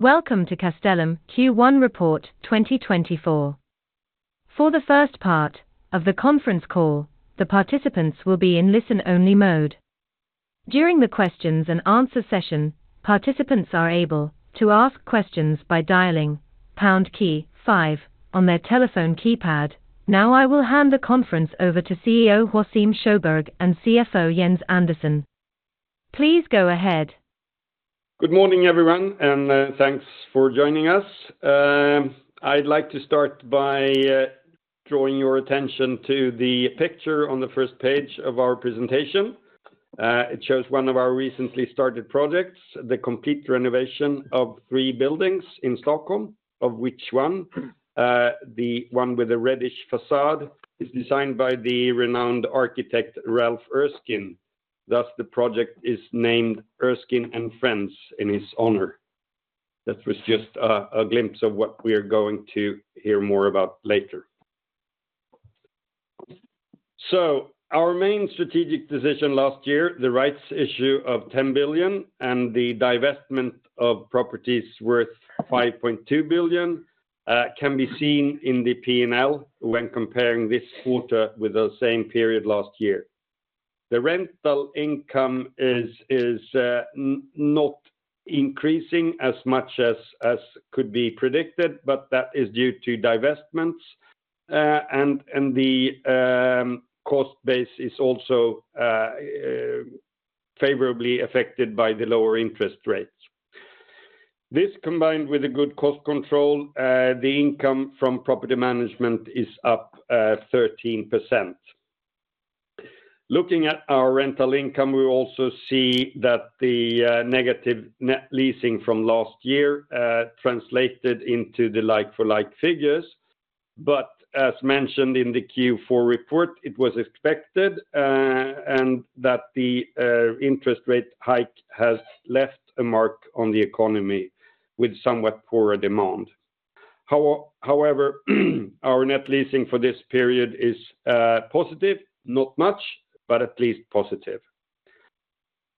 Welcome to Castellum Q1 Report 2024. For the first part of the conference call, the participants will be in listen-only mode. During the questions-and-answers session, participants are able to ask questions by dialing pound key five on their telephone keypad. Now I will hand the conference over to CEO Joacim Sjöberg and CFO Jens Andersson. Please go ahead. Good morning, everyone, and thanks for joining us. I'd like to start by drawing your attention to the picture on the first page of our presentation. It shows one of our recently started projects, the complete renovation of three buildings in Stockholm, of which one the one with the reddish façade is designed by the renowned architect Ralph Erskine. Thus the project is named Erskine and Friends in his honor. That was just a glimpse of what we are going to hear more about later. So our main strategic decision last year, the rights issue of 10 billion and the divestment of properties worth 5.2 billion, can be seen in the P&L when comparing this quarter with the same period last year. The rental income is not increasing as much as could be predicted, but that is due to divestments, and the cost base is also favorably affected by the lower interest rates. This combined with a good cost control, the income from property management is up 13%. Looking at our rental income, we also see that the negative leasing from last year translated into the like-for-like figures. But as mentioned in the Q4 report, it was expected and that the interest rate hike has left a mark on the economy with somewhat poorer demand. However, our net leasing for this period is positive, not much, but at least positive.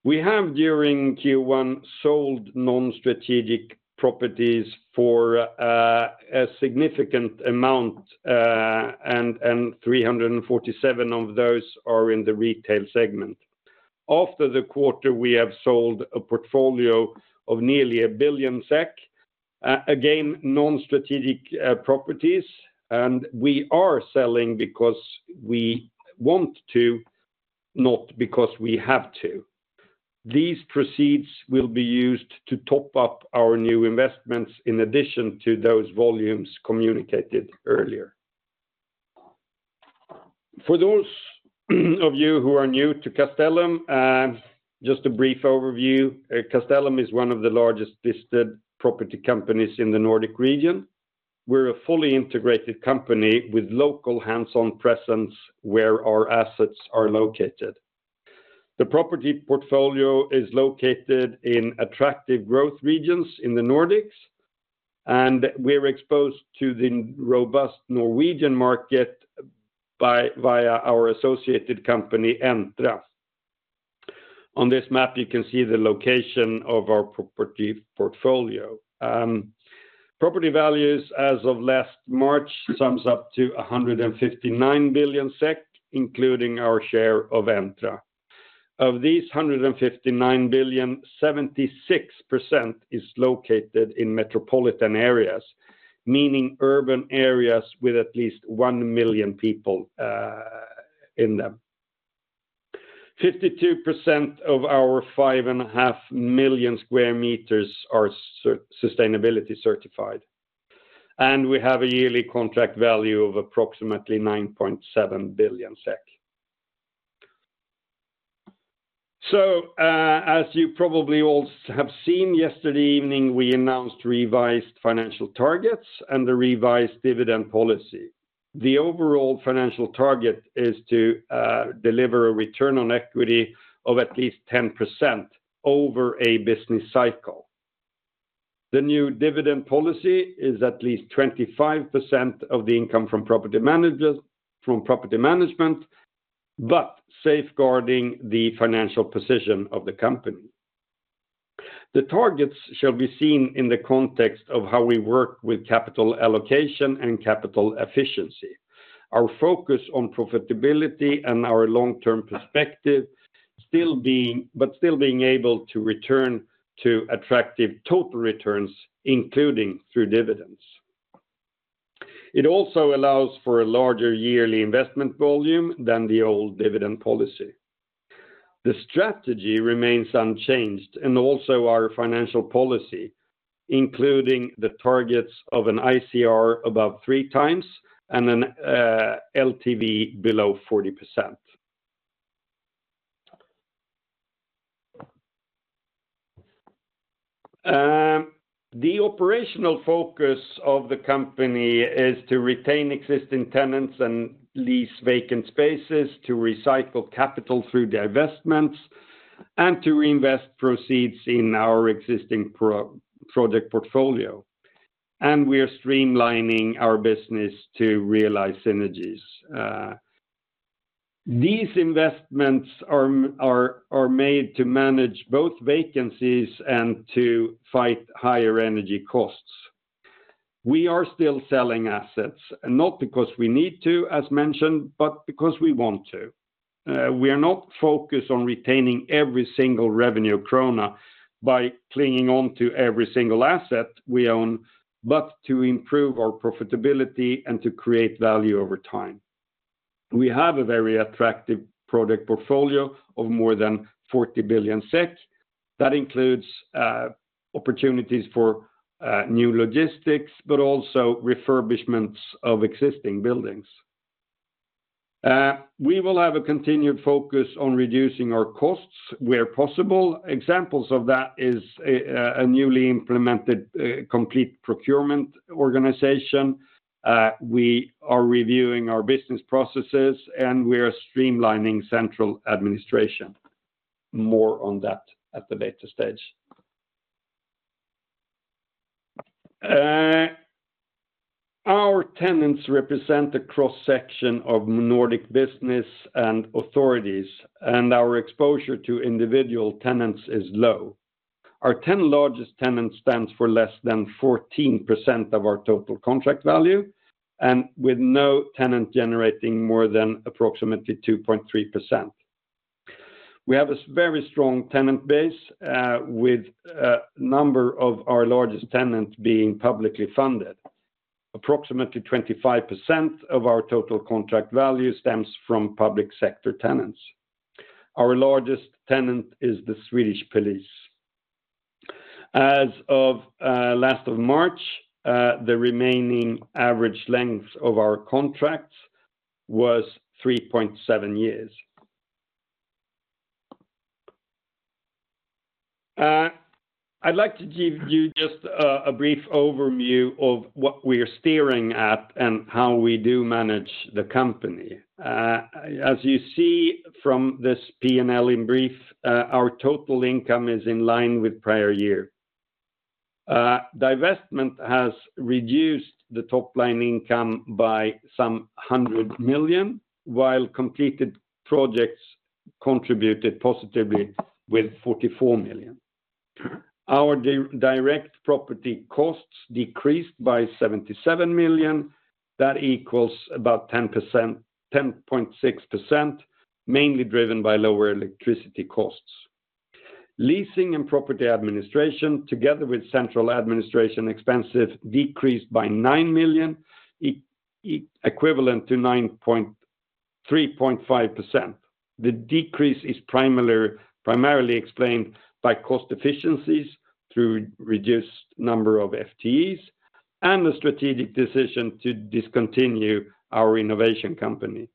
We have during Q1 sold non-strategic properties for a significant amount, and 347 of those are in the retail segment. After the quarter, we have sold a portfolio of nearly 1 billion SEK. Again, non-strategic properties, and we are selling because we want to, not because we have to. These proceeds will be used to top up our new investments in addition to those volumes communicated earlier. For those of you who are new to Castellum, just a brief overview: Castellum is one of the largest listed property companies in the Nordic region. We're a fully integrated company with local hands-on presence where our assets are located. The property portfolio is located in attractive growth regions in the Nordics, and we're exposed to the robust Norwegian market via our associated company Entra. On this map, you can see the location of our property portfolio. Property values as of last March sums up to 159 billion SEK, including our share of Entra. Of these 159 billion, 76% is located in metropolitan areas, meaning urban areas with at least one million people in them. 52% of our 5.5 million sq m are sustainability certified, and we have a yearly contract value of approximately 9.7 billion SEK. As you probably all have seen yesterday evening, we announced revised financial targets and a revised dividend policy. The overall financial target is to deliver a return on equity of at least 10% over a business cycle. The new dividend policy is at least 25% of the income from property management, but safeguarding the financial position of the company. The targets shall be seen in the context of how we work with capital allocation and capital efficiency, our focus on profitability and our long-term perspective, but still being able to return to attractive total returns, including through dividends. It also allows for a larger yearly investment volume than the old dividend policy. The strategy remains unchanged, and also our financial policy, including the targets of an ICR above 3x and an LTV below 40%. The operational focus of the company is to retain existing tenants and lease vacant spaces, to recycle capital through divestments, and to reinvest proceeds in our existing project portfolio. We are streamlining our business to realize synergies. These investments are made to manage both vacancies and to fight higher energy costs. We are still selling assets, not because we need to, as mentioned, but because we want to. We are not focused on retaining every single revenue krona by clinging onto every single asset we own, but to improve our profitability and to create value over time. We have a very attractive project portfolio of more than 40 billion SEK. That includes opportunities for new logistics, but also refurbishments of existing buildings. We will have a continued focus on reducing our costs where possible. Examples of that are a newly implemented complete procurement organization. We are reviewing our business processes, and we are streamlining central administration. More on that at the later stage. Our tenants represent a cross-section of Nordic business and authorities, and our exposure to individual tenants is low. Our 10 largest tenants stand for less than 14% of our total contract value, with no tenant generating more than approximately 2.3%. We have a very strong tenant base, with a number of our largest tenants being publicly funded. Approximately 25% of our total contract value stems from public sector tenants. Our largest tenant is the Swedish police. As of last of March, the remaining average length of our contracts was 3.7 years. I'd like to give you just a brief overview of what we are steering at and how we do manage the company. As you see from this P&L in brief, our total income is in line with prior year. Divestment has reduced the top-line income by some 100 million, while completed projects contributed positively with 44 million. Our direct property costs decreased by 77 million. That equals about 10.6%, mainly driven by lower electricity costs. Leasing and property administration, together with central administration expenses, decreased by 9 million, equivalent to 3.5%. The decrease is primarily explained by cost efficiencies through a reduced number of FTEs and a strategic decision to discontinue our innovation company.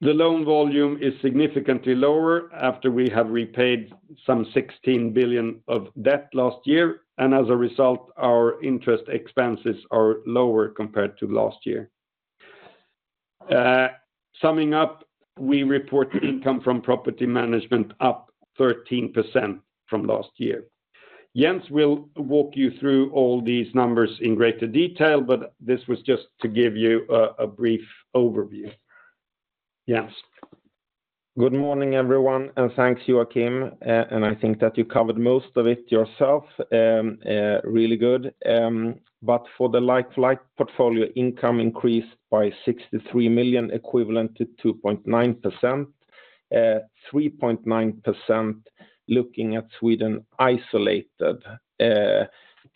The loan volume is significantly lower after we have repaid some 16 billion of debt last year, and as a result, our interest expenses are lower compared to last year. Summing up, we report income from property management up 13% from last year. Jens will walk you through all these numbers in greater detail, but this was just to give you a brief overview. Jens. Good morning, everyone, and thanks, Joacim. And I think that you covered most of it yourself, really good. But for the like-for-like portfolio, income increased by 63 million, equivalent to 2.9%, 3.9% looking at Sweden isolated.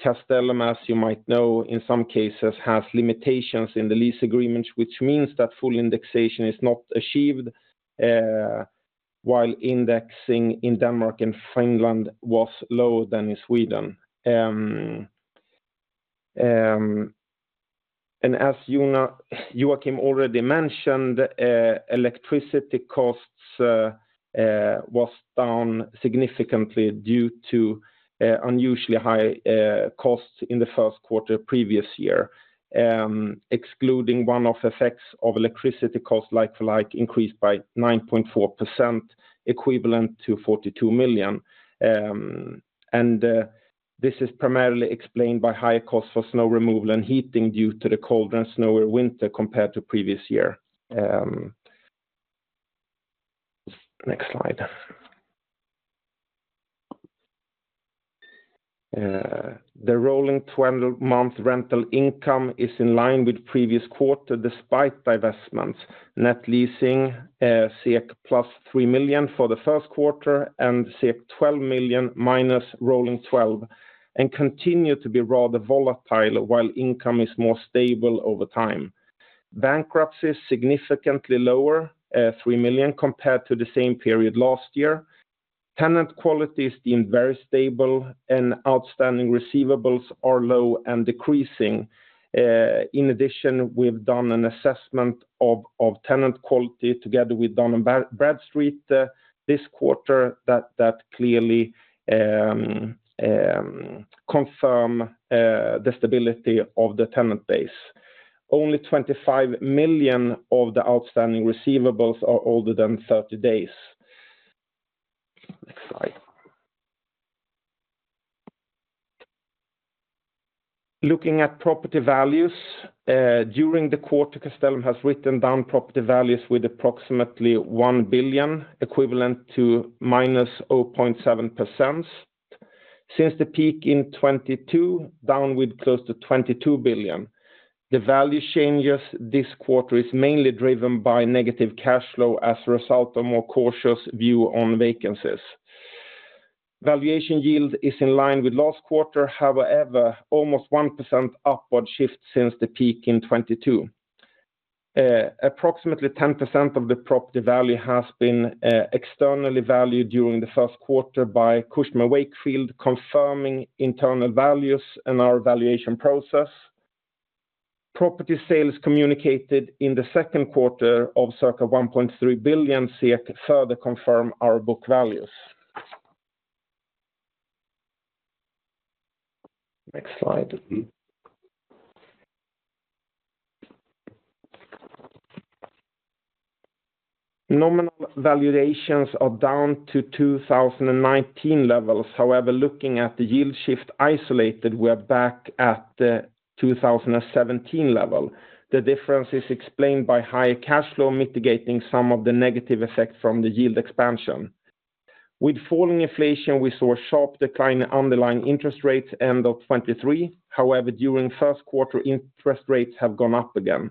Castellum, as you might know, in some cases has limitations in the lease agreements, which means that full indexation is not achieved, while indexing in Denmark and Finland was lower than in Sweden. And as Joacim already mentioned, electricity costs were down significantly due to unusually high costs in the first quarter previous year, excluding one-off effects of electricity costs, like-for-like increased by 9.4%, equivalent to 42 million. And this is primarily explained by higher costs for snow removal and heating due to the colder and snowier winter compared to previous year. Next slide. The rolling 12-month rental income is in line with previous quarter despite divestments. Net leasing +3 million for the first quarter and -12 million rolling 12, and continue to be rather volatile while income is more stable over time. Bankruptcy is significantly lower, 3 million, compared to the same period last year. Tenant quality is deemed very stable, and outstanding receivables are low and decreasing. In addition, we've done an assessment of tenant quality together with Dun & Bradstreet this quarter that clearly confirm the stability of the tenant base. Only 25 million of the outstanding receivables are older than 30 days. Next slide. Looking at property values during the quarter, Castellum has written down property values with approximately 1 billion, equivalent to -0.7%. Since the peak in 2022, down with close to 22 billion. The value changes this quarter are mainly driven by negative cash flow as a result of a more cautious view on vacancies. Valuation yield is in line with last quarter. However, almost 1% upward shift since the peak in 2022. Approximately 10% of the property value has been externally valued during the first quarter by Cushman & Wakefield, confirming internal values and our valuation process. Property sales communicated in the second quarter of circa 1.3 billion further confirm our book values. Next slide. Nominal valuations are down to 2019 levels. However, looking at the yield shift isolated, we are back at the 2017 level. The difference is explained by higher cash flow, mitigating some of the negative effects from the yield expansion. With falling inflation, we saw a sharp decline in underlying interest rates at the end of 2023. However, during the first quarter, interest rates have gone up again.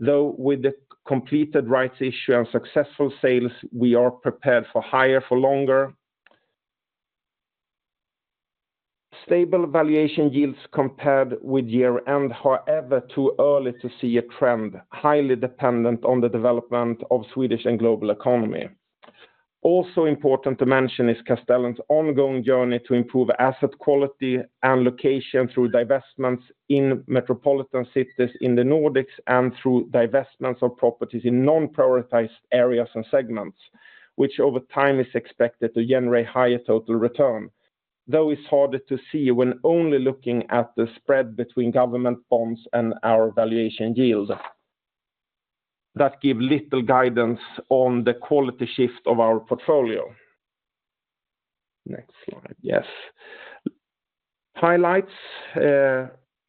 Though with the completed rights issue and successful sales, we are prepared for higher for longer. Stable valuation yields compared with year-end. However, too early to see a trend, highly dependent on the development of the Swedish and global economy. Also important to mention is Castellum's ongoing journey to improve asset quality and location through divestments in metropolitan cities in the Nordics and through divestments of properties in non-prioritized areas and segments, which over time is expected to generate higher total return, though it's harder to see when only looking at the spread between government bonds and our valuation yield. That gives little guidance on the quality shift of our portfolio. Next slide. Yes. Highlights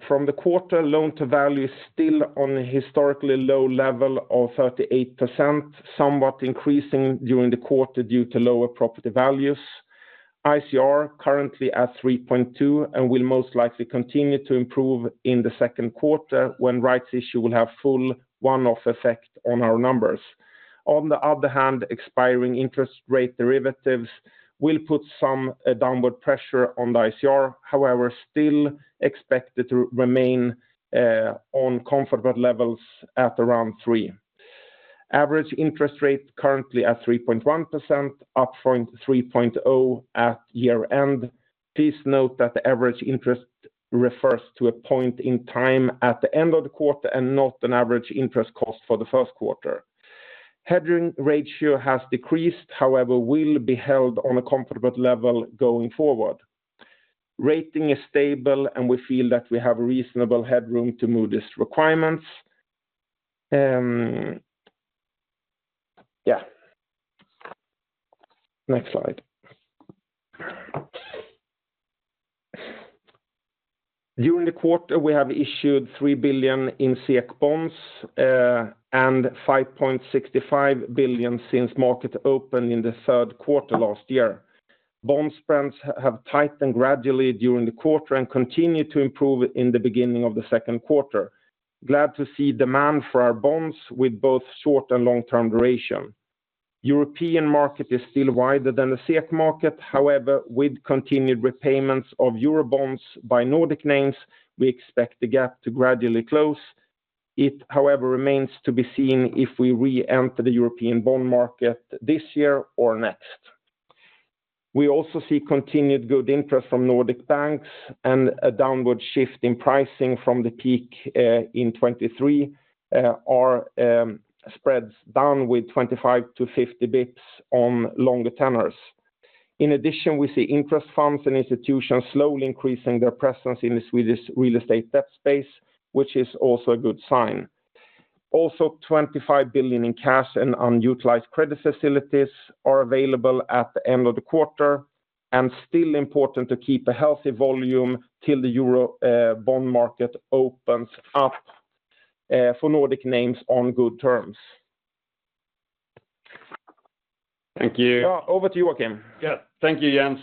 from the quarter: Loan-to-value is still on a historically low level of 38%, somewhat increasing during the quarter due to lower property values. ICR is currently at 3.2 and will most likely continue to improve in the second quarter when rights issue will have full one-off effect on our numbers. On the other hand, expiring interest rate derivatives will put some downward pressure on the ICR, however, still expected to remain on comfortable levels at around 3. Average interest rate is currently at 3.1%, up from 3.0% at year-end. Please note that the average interest refers to a point in time at the end of the quarter and not an average interest cost for the first quarter. Hedging ratio has decreased, however, will be held on a comfortable level going forward. Rating is stable, and we feel that we have a reasonable headroom to move these requirements. Yeah. Next slide. During the quarter, we have issued 3 billion in SEK bonds and 5.65 billion since market opened in the third quarter last year. Bond spreads have tightened gradually during the quarter and continued to improve in the beginning of the second quarter. Glad to see demand for our bonds with both short and long-term duration. The European market is still wider than the SEK market. However, with continued repayments of Euro bonds by Nordic names, we expect the gap to gradually close. It, however, remains to be seen if we re-enter the European bond market this year or next. We also see continued good interest from Nordic banks and a downward shift in pricing from the peak in 2023, our spreads down with 25-50 bips on longer tenors. In addition, we see interest funds and institutions slowly increasing their presence in the Swedish real estate debt space, which is also a good sign. Also, 25 billion in cash and unutilized credit facilities are available at the end of the quarter. Still important to keep a healthy volume till the Euro bond market opens up for Nordic names on good terms. Thank you. Yeah. Over to Joacim. Yeah. Thank you, Jens.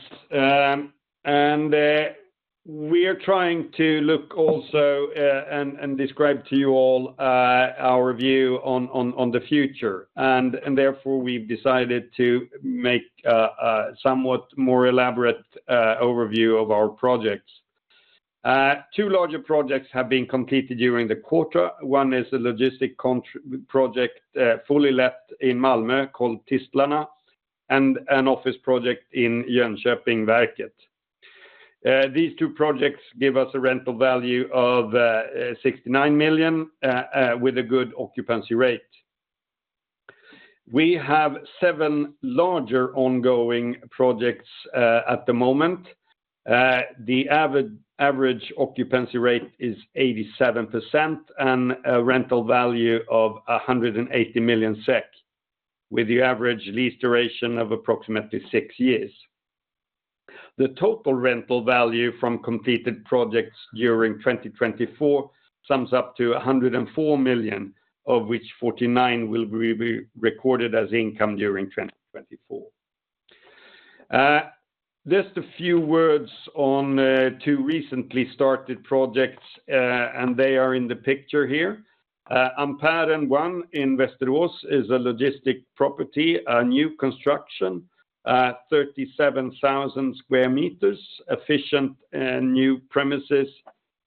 We're trying to look also and describe to you all our view on the future. Therefore, we've decided to make a somewhat more elaborate overview of our projects. Two larger projects have been completed during the quarter. One is a logistics project fully let in Malmö called Tistlarna and an office project in Jönköping, Werket. These two projects give us a rental value of 69 million with a good occupancy rate. We have seven larger ongoing projects at the moment. The average occupancy rate is 87% and a rental value of 180 million SEK, with the average lease duration of approximately six years. The total rental value from completed projects during 2024 sums up to 104 million, of which 49 million will be recorded as income during 2024. Just a few words on two recently started projects, and they are in the picture here. Ampere 1 in Västerås is a logistics property, a new construction, 37,000 square meters, efficient new premises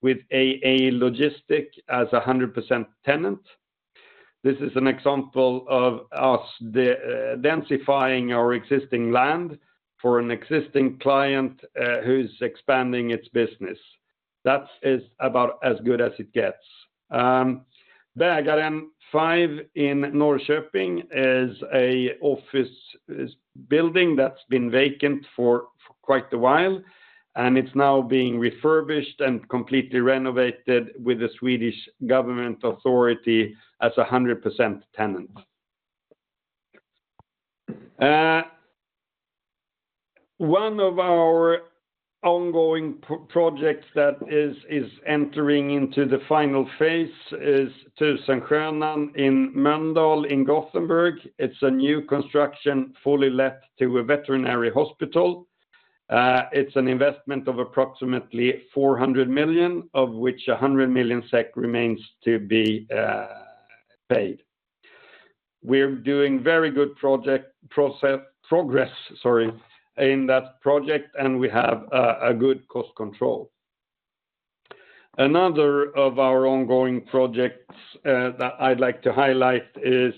with AA Logistik as a 100% tenant. This is an example of us densifying our existing land for an existing client who's expanding its business. That is about as good as it gets. Bägaren 5 in Norrköping is an office building that's been vacant for quite a while, and it's now being refurbished and completely renovated with the Swedish government authority as a 100% tenant. One of our ongoing projects that is entering into the final phase is Tusenskönan in Mölndal in Gothenburg. It's a new construction, fully let to a veterinary hospital. It's an investment of approximately 400 million, of which 100 million SEK remains to be paid. We're doing very good project progress, sorry, in that project, and we have good cost control. Another of our ongoing projects that I'd like to highlight is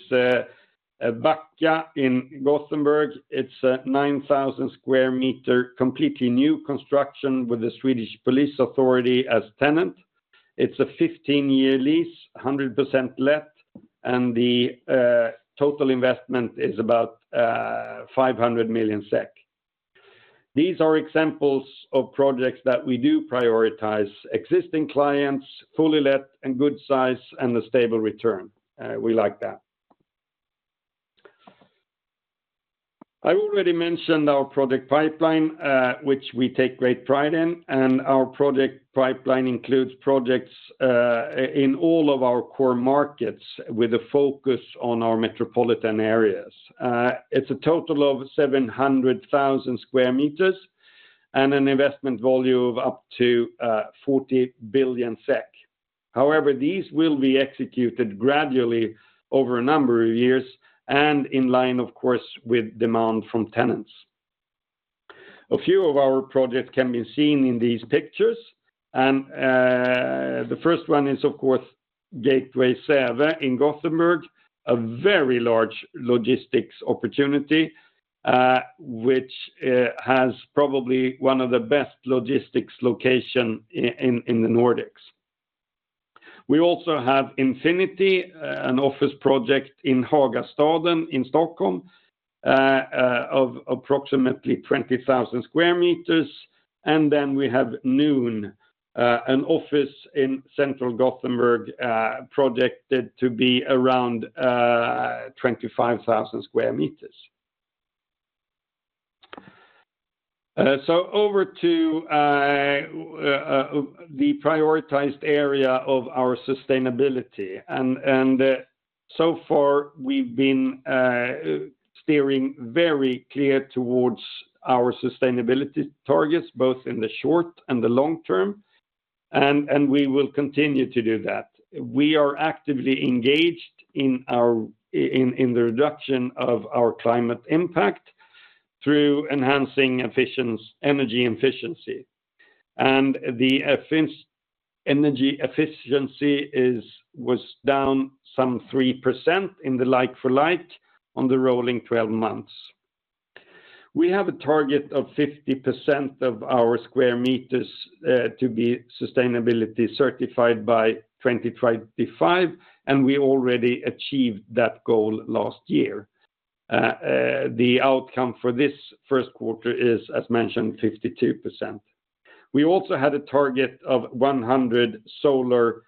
Backa in Gothenburg. It's a 9,000 square meter completely new construction with the Swedish Police Authority as tenant. It's a 15-year lease, 100% let, and the total investment is about 500 million SEK. These are examples of projects that we do prioritize: existing clients, fully let, and good size and a stable return. We like that. I already mentioned our project pipeline, which we take great pride in. Our project pipeline includes projects in all of our core markets with a focus on our metropolitan areas. It's a total of 700,000 square meters and an investment volume of up to 40 billion SEK. However, these will be executed gradually over a number of years and in line, of course, with demand from tenants. A few of our projects can be seen in these pictures. The first one is, of course, Gateway Säve in Gothenburg, a very large logistics opportunity, which has probably one of the best logistics locations in the Nordics. We also have Infinity, an office project in Hagastaden in Stockholm of approximately 20,000 sq m. Then we have Noon, an office in central Gothenburg projected to be around 25,000 sq m. Over to the prioritized area of our sustainability. So far, we've been steering very clear towards our sustainability targets, both in the short and the long term. We will continue to do that. We are actively engaged in the reduction of our climate impact through enhancing energy efficiency. The energy efficiency was down some 3% in the like-for-like on the rolling 12 months. We have a target of 50% of our square meters to be sustainability certified by 2025, and we already achieved that goal last year. The outcome for this first quarter is, as mentioned, 52%. We also had a target of 100 solar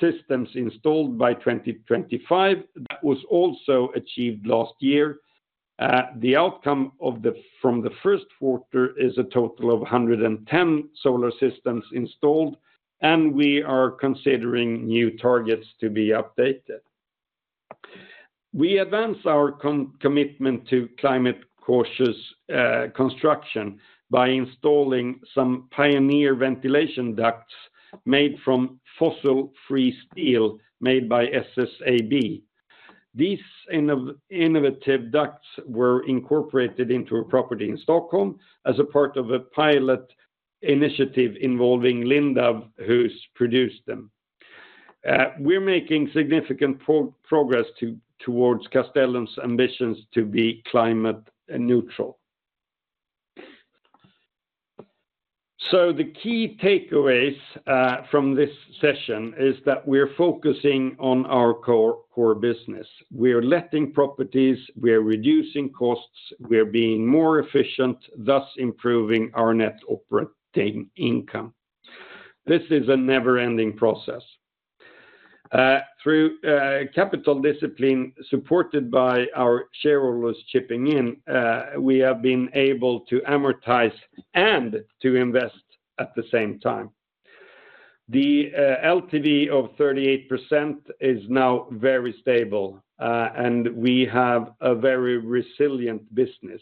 systems installed by 2025. That was also achieved last year. The outcome from the first quarter is a total of 110 solar systems installed, and we are considering new targets to be updated. We advance our commitment to climate-cautious construction by installing some pioneer ventilation ducts made from fossil-free steel made by SSAB. These innovative ducts were incorporated into a property in Stockholm as a part of a pilot initiative involving Lindab, who's produced them. We're making significant progress towards Castellum's ambitions to be climate-neutral. So the key takeaways from this session is that we're focusing on our core business. We're letting properties, we're reducing costs, we're being more efficient, thus improving our net operating income. This is a never-ending process. Through capital discipline supported by our shareholders chipping in, we have been able to amortize and to invest at the same time. The LTV of 38% is now very stable, and we have a very resilient business.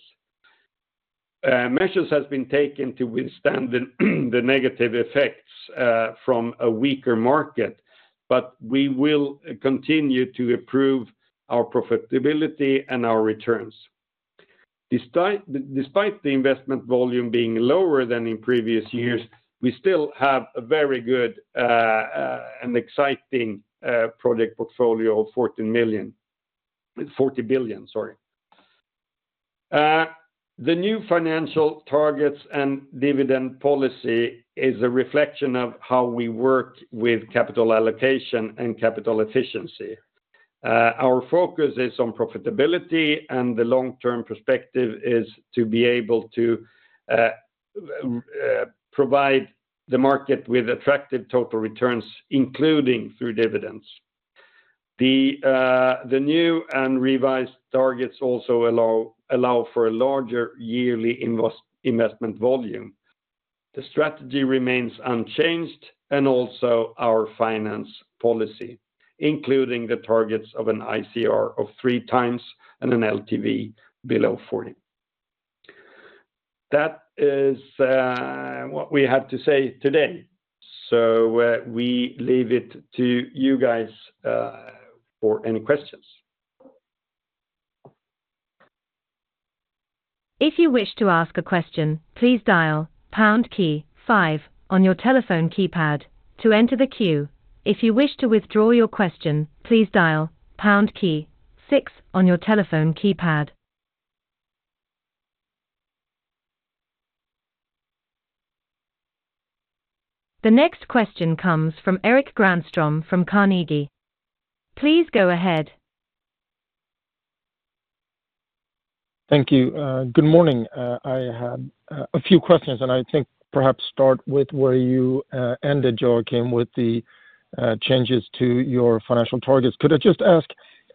Measures have been taken to withstand the negative effects from a weaker market, but we will continue to improve our profitability and our returns. Despite the investment volume being lower than in previous years, we still have a very good and exciting project portfolio of 14 million. 40 billion, sorry. The new financial targets and dividend policy is a reflection of how we work with capital allocation and capital efficiency. Our focus is on profitability, and the long-term perspective is to be able to provide the market with attractive total returns, including through dividends. The new and revised targets also allow for a larger yearly investment volume. The strategy remains unchanged, and also our finance policy, including the targets of an ICR of 3x and an LTV below 40%. That is what we had to say today. So we leave it to you guys for any questions. If you wish to ask a question, please dial pound key 5 on your telephone keypad to enter the queue. If you wish to withdraw your question, please dial pound key 6 on your telephone keypad. The next question comes from Erik Granström from Carnegie. Please go ahead. Thank you. Good morning. I had a few questions, and I think perhaps start with where you ended, Joacim, with the changes to your financial targets. Could I just ask,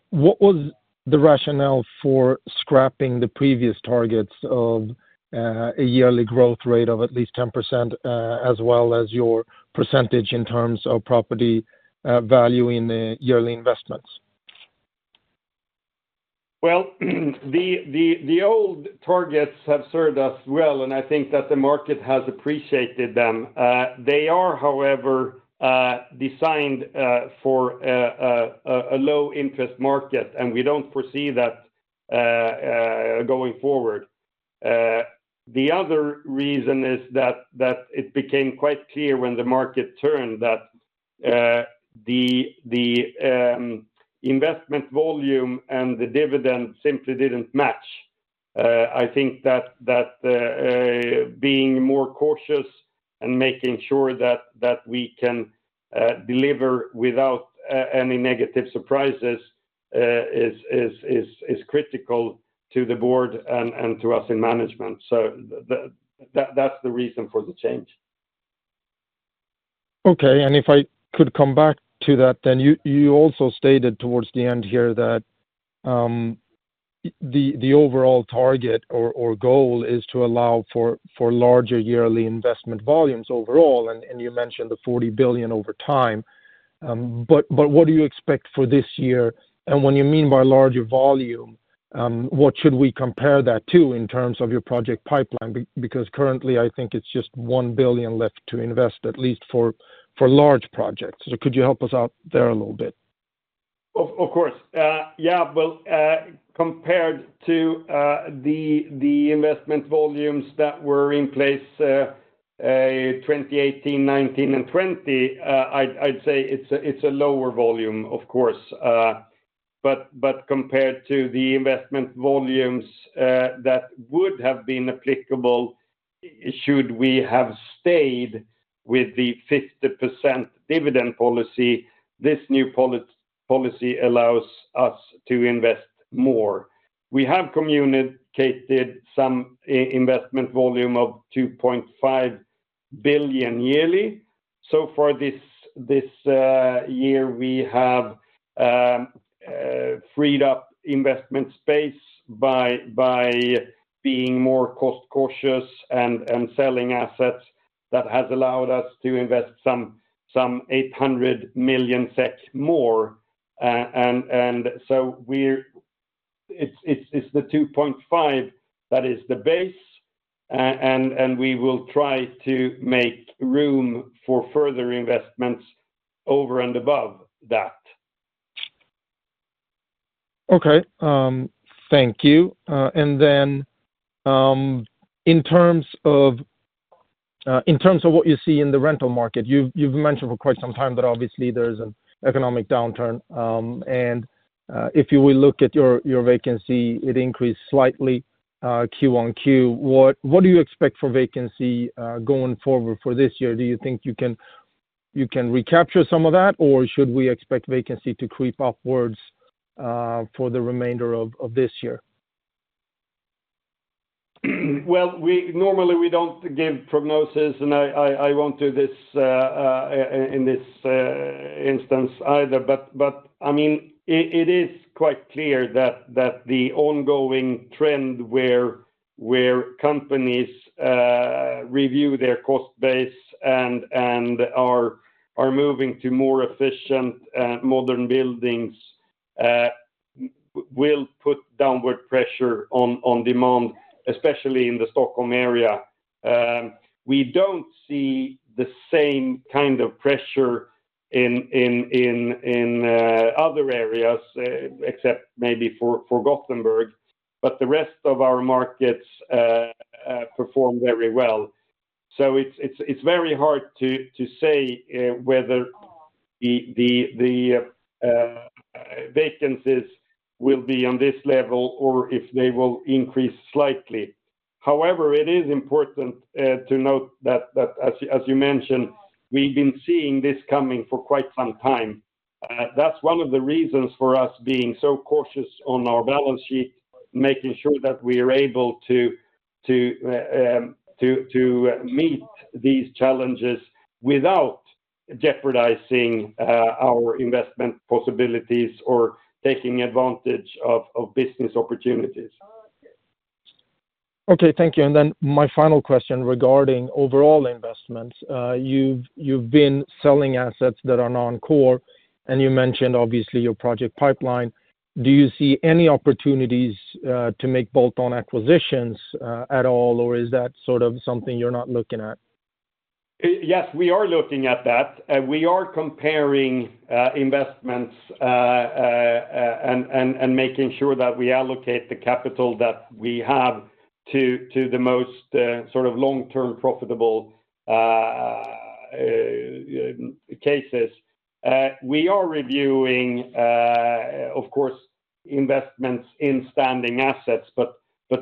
what was the rationale for scrapping the previous targets of a yearly growth rate of at least 10% as well as your percentage in terms of property value in the yearly investments? Well, the old targets have served us well, and I think that the market has appreciated them. They are, however, designed for a low-interest market, and we don't foresee that going forward. The other reason is that it became quite clear when the market turned that the investment volume and the dividend simply didn't match. I think that being more cautious and making sure that we can deliver without any negative surprises is critical to the board and to us in management. So that's the reason for the change. Okay. If I could come back to that, you also stated towards the end here that the overall target or goal is to allow for larger yearly investment volumes overall. You mentioned the 40 billion over time. But what do you expect for this year? And what do you mean by larger volume, what should we compare that to in terms of your project pipeline? Because currently, I think it's just 1 billion left to invest, at least for large projects. So could you help us out there a little bit? Of course. Yeah. Well, compared to the investment volumes that were in place 2018, 2019, and 2020, I'd say it's a lower volume, of course. But compared to the investment volumes that would have been applicable should we have stayed with the 50% dividend policy, this new policy allows us to invest more. We have communicated some investment volume of 2.5 billion yearly. So for this year, we have freed up investment space by being more cost-cautious and selling assets. That has allowed us to invest some 800 million SEK more. And so it's the 2.5 that is the base, and we will try to make room for further investments over and above that. Okay. Thank you. Then in terms of what you see in the rental market, you've mentioned for quite some time that obviously there's an economic downturn. If you will look at your vacancy, it increased slightly Q-on-Q. What do you expect for vacancy going forward for this year? Do you think you can recapture some of that, or should we expect vacancy to creep upwards for the remainder of this year? Well, normally, we don't give prognoses, and I won't do this in this instance either. But I mean, it is quite clear that the ongoing trend where companies review their cost base and are moving to more efficient, modern buildings will put downward pressure on demand, especially in the Stockholm area. We don't see the same kind of pressure in other areas, except maybe for Gothenburg. But the rest of our markets perform very well. So it's very hard to say whether the vacancies will be on this level or if they will increase slightly. However, it is important to note that, as you mentioned, we've been seeing this coming for quite some time. That's one of the reasons for us being so cautious on our balance sheet, making sure that we are able to meet these challenges without jeopardizing our investment possibilities or taking advantage of business opportunities. Okay. Thank you. And then my final question regarding overall investments. You've been selling assets that are non-core, and you mentioned, obviously, your project pipeline. Do you see any opportunities to make bolt-on acquisitions at all, or is that sort of something you're not looking at? Yes, we are looking at that. We are comparing investments and making sure that we allocate the capital that we have to the most sort of long-term profitable cases. We are reviewing, of course, investments in standing assets. But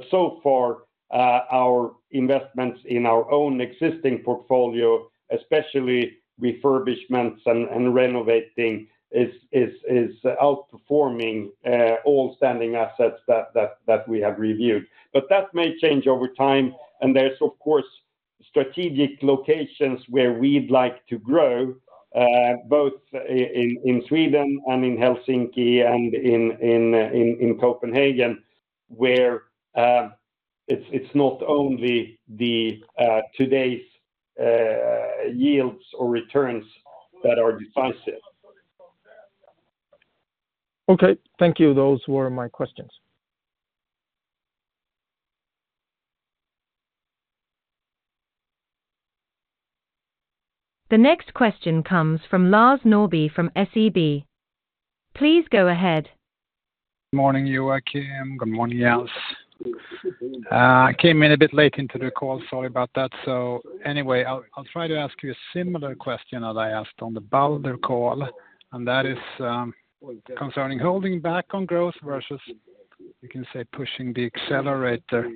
so far, our investments in our own existing portfolio, especially refurbishments and renovating, is outperforming all standing assets that we have reviewed. But that may change over time. And there's, of course, strategic locations where we'd like to grow, both in Sweden and in Helsinki and in Copenhagen, where it's not only today's yields or returns that are decisive. Okay. Thank you. Those were my questions. The next question comes from Lars Norby from SEB. Please go ahead. Good morning, Joacim. Good morning, Alice. I came in a bit late into the call, sorry about that. So anyway, I'll try to ask you a similar question that I asked on the Boulder call, and that is concerning holding back on growth versus, you can say, pushing the accelerator.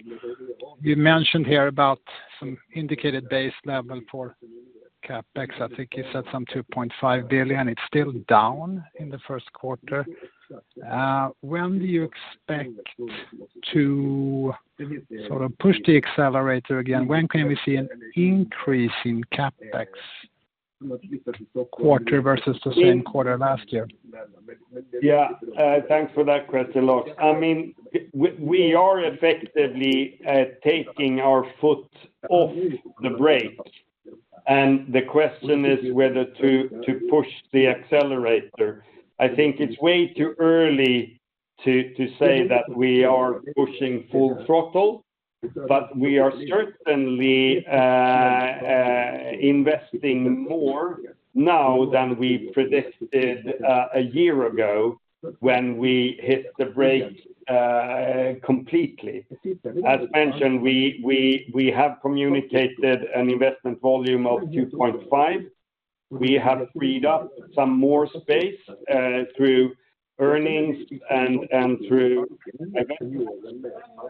You mentioned here about some indicated base level for CapEx. I think you said some 2.5 billion, and it's still down in the first quarter. When do you expect to sort of push the accelerator again? When can we see an increase in CapEx quarter versus the same quarter last year? Yeah. Thanks for that question, Lars. I mean, we are effectively taking our foot off the brakes. And the question is whether to push the accelerator. I think it's way too early to say that we are pushing full throttle, but we are certainly investing more now than we predicted a year ago when we hit the brakes completely. As mentioned, we have communicated an investment volume of 2.5 billion. We have freed up some more space through earnings and through investments.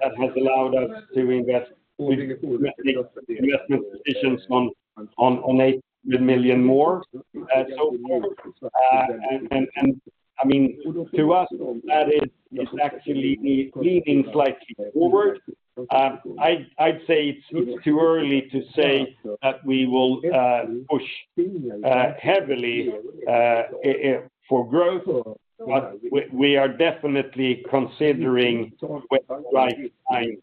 That has allowed us to invest with strategic investment decisions on 800 million more so far. And I mean, to us, that is actually leaning slightly forward. I'd say it's too early to say that we will push heavily for growth, but we are definitely considering when the right time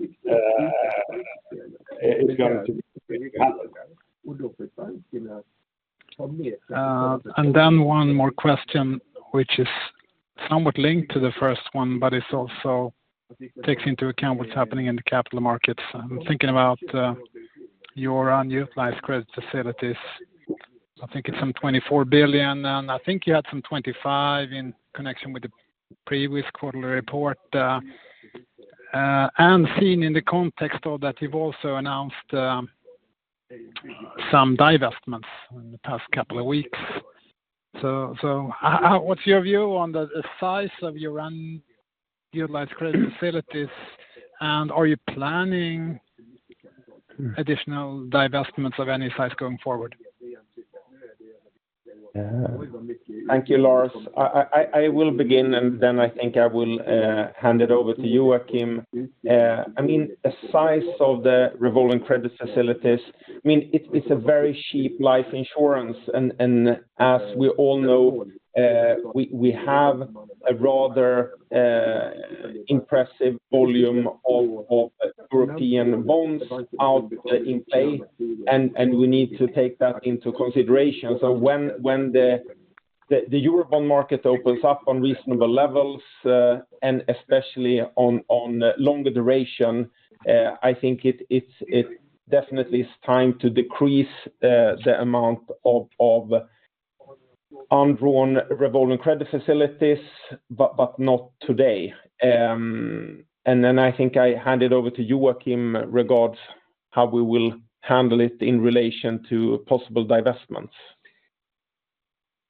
is going to happen. Then one more question, which is somewhat linked to the first one, but it also takes into account what's happening in the capital markets. I'm thinking about your unutilized credit facilities. I think it's some 24 billion, and I think you had some 25 billion in connection with the previous quarterly report. And seen in the context of that, you've also announced some divestments in the past couple of weeks. So what's your view on the size of your unutilized credit facilities, and are you planning additional divestments of any size going forward? Thank you, Lars. I will begin, and then I think I will hand it over to you, Joacim. I mean, the size of the revolving credit facilities, I mean, it's a very cheap life insurance. As we all know, we have a rather impressive volume of European bonds out in play, and we need to take that into consideration. So when the Eurobond market opens up on reasonable levels, and especially on longer duration, I think it definitely is time to decrease the amount of undrawn revolving credit facilities, but not today. Then I think I hand it over to Joacim regards how we will handle it in relation to possible divestments.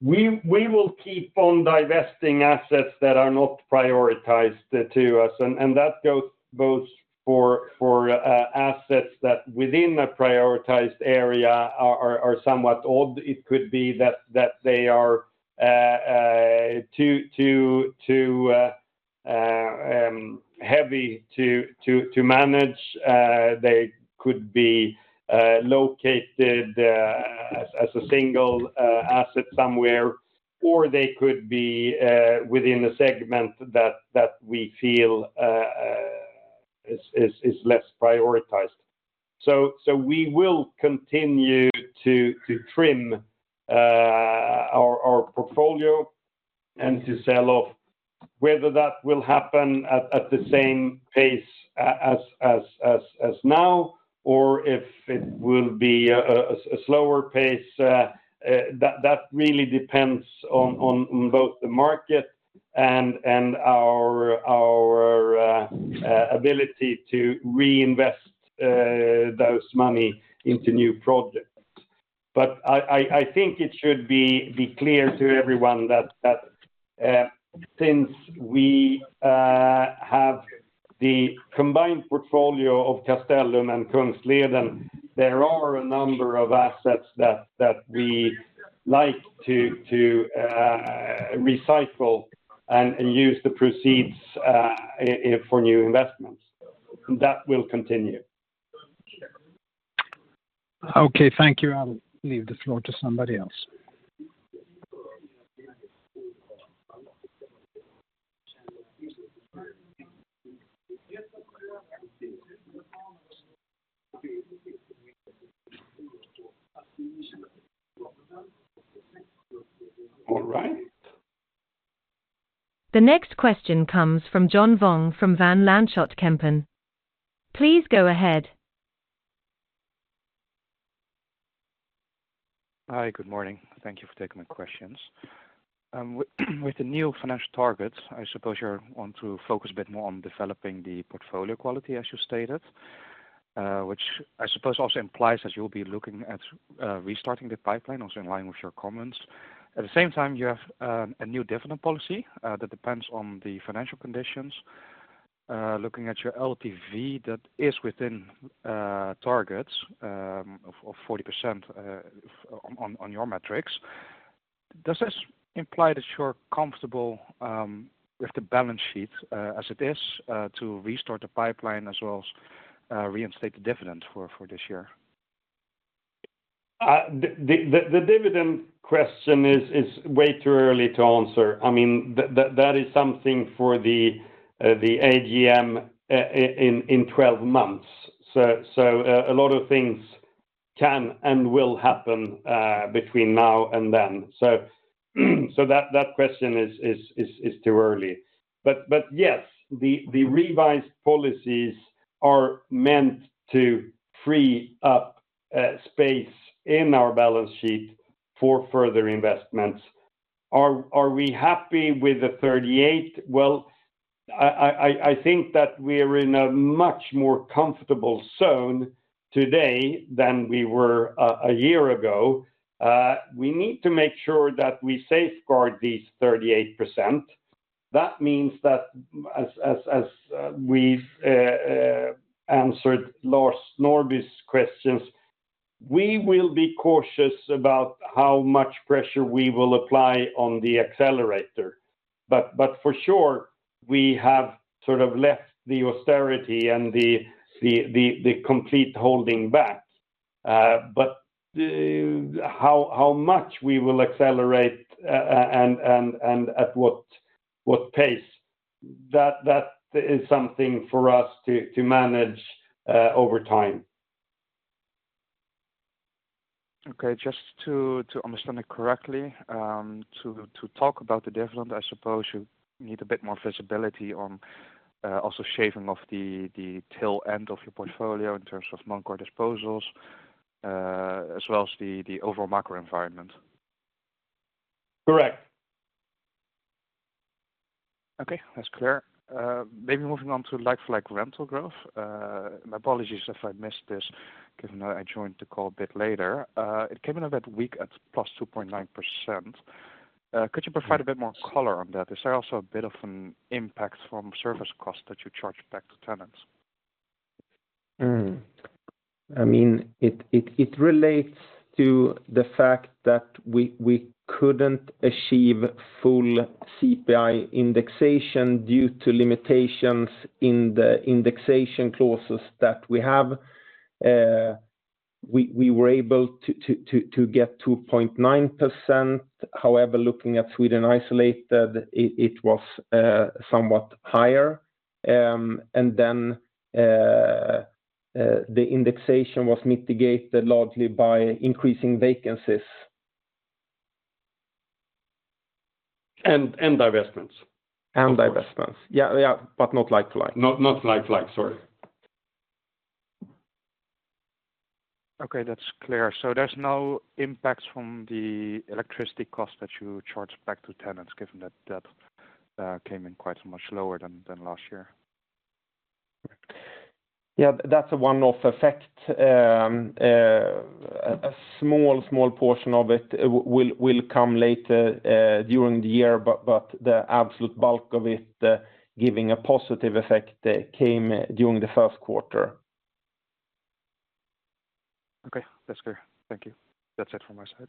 We will keep on divesting assets that are not prioritized to us. And that goes both for assets that within a prioritized area are somewhat odd. It could be that they are too heavy to manage. They could be located as a single asset somewhere, or they could be within a segment that we feel is less prioritized. So we will continue to trim our portfolio and to sell off. Whether that will happen at the same pace as now or if it will be a slower pace, that really depends on both the market and our ability to reinvest those money into new projects. But I think it should be clear to everyone that since we have the combined portfolio of Castellum and Kungsleden, there are a number of assets that we like to recycle and use the proceeds for new investments. That will continue. Okay. Thank you, Alice. I'll leave the floor to somebody else. All right. The next question comes from John Vuong from Van Lanschot Kempen. Please go ahead. Hi. Good morning. Thank you for taking my questions. With the new financial targets, I suppose you want to focus a bit more on developing the portfolio quality, as you stated, which I suppose also implies that you'll be looking at restarting the pipeline, also in line with your comments. At the same time, you have a new dividend policy that depends on the financial conditions. Looking at your LTV, that is within targets of 40% on your metrics. Does this imply that you're comfortable with the balance sheet as it is to restart the pipeline as well as reinstate the dividend for this year? The dividend question is way too early to answer. I mean, that is something for the AGM in 12 months. So a lot of things can and will happen between now and then. So that question is too early. But yes, the revised policies are meant to free up space in our balance sheet for further investments. Are we happy with the 38? Well, I think that we are in a much more comfortable zone today than we were a year ago. We need to make sure that we safeguard these 38%. That means that, as we answered Lars Norby's questions, we will be cautious about how much pressure we will apply on the accelerator. But for sure, we have sort of left the austerity and the complete holding back. But how much we will accelerate and at what pace, that is something for us to manage over time. Okay. Just to understand it correctly, to talk about the dividend, I suppose you need a bit more visibility on also shaving off the tail end of your portfolio in terms of non-core disposals as well as the overall macro environment. Correct. Okay. That's clear. Maybe moving on to like-for-like rental growth. My apologies if I missed this, given that I joined the call a bit later. It came in a bit weak at +2.9%. Could you provide a bit more color on that? Is there also a bit of an impact from service costs that you charge back to tenants? I mean, it relates to the fact that we couldn't achieve full CPI indexation due to limitations in the indexation clauses that we have. We were able to get 2.9%. However, looking at Sweden isolated, it was somewhat higher. And then the indexation was mitigated largely by increasing vacancies. And divestments. And divestments. Yeah, yeah, but not life-to-life. Not life-to-life. Sorry. Okay. That's clear. So there's no impacts from the electricity costs that you charge back to tenants, given that that came in quite so much lower than last year. Yeah. That's a one-off effect. A small, small portion of it will come later during the year, but the absolute bulk of it giving a positive effect came during the first quarter. Okay. That's clear. Thank you. That's it from my side.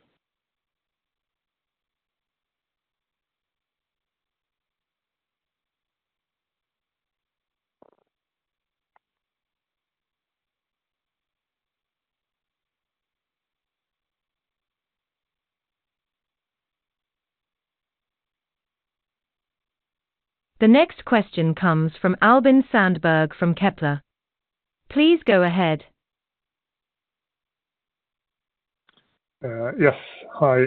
The next question comes from Albin Sandberg from Kepler. Please go ahead. Yes. Hi.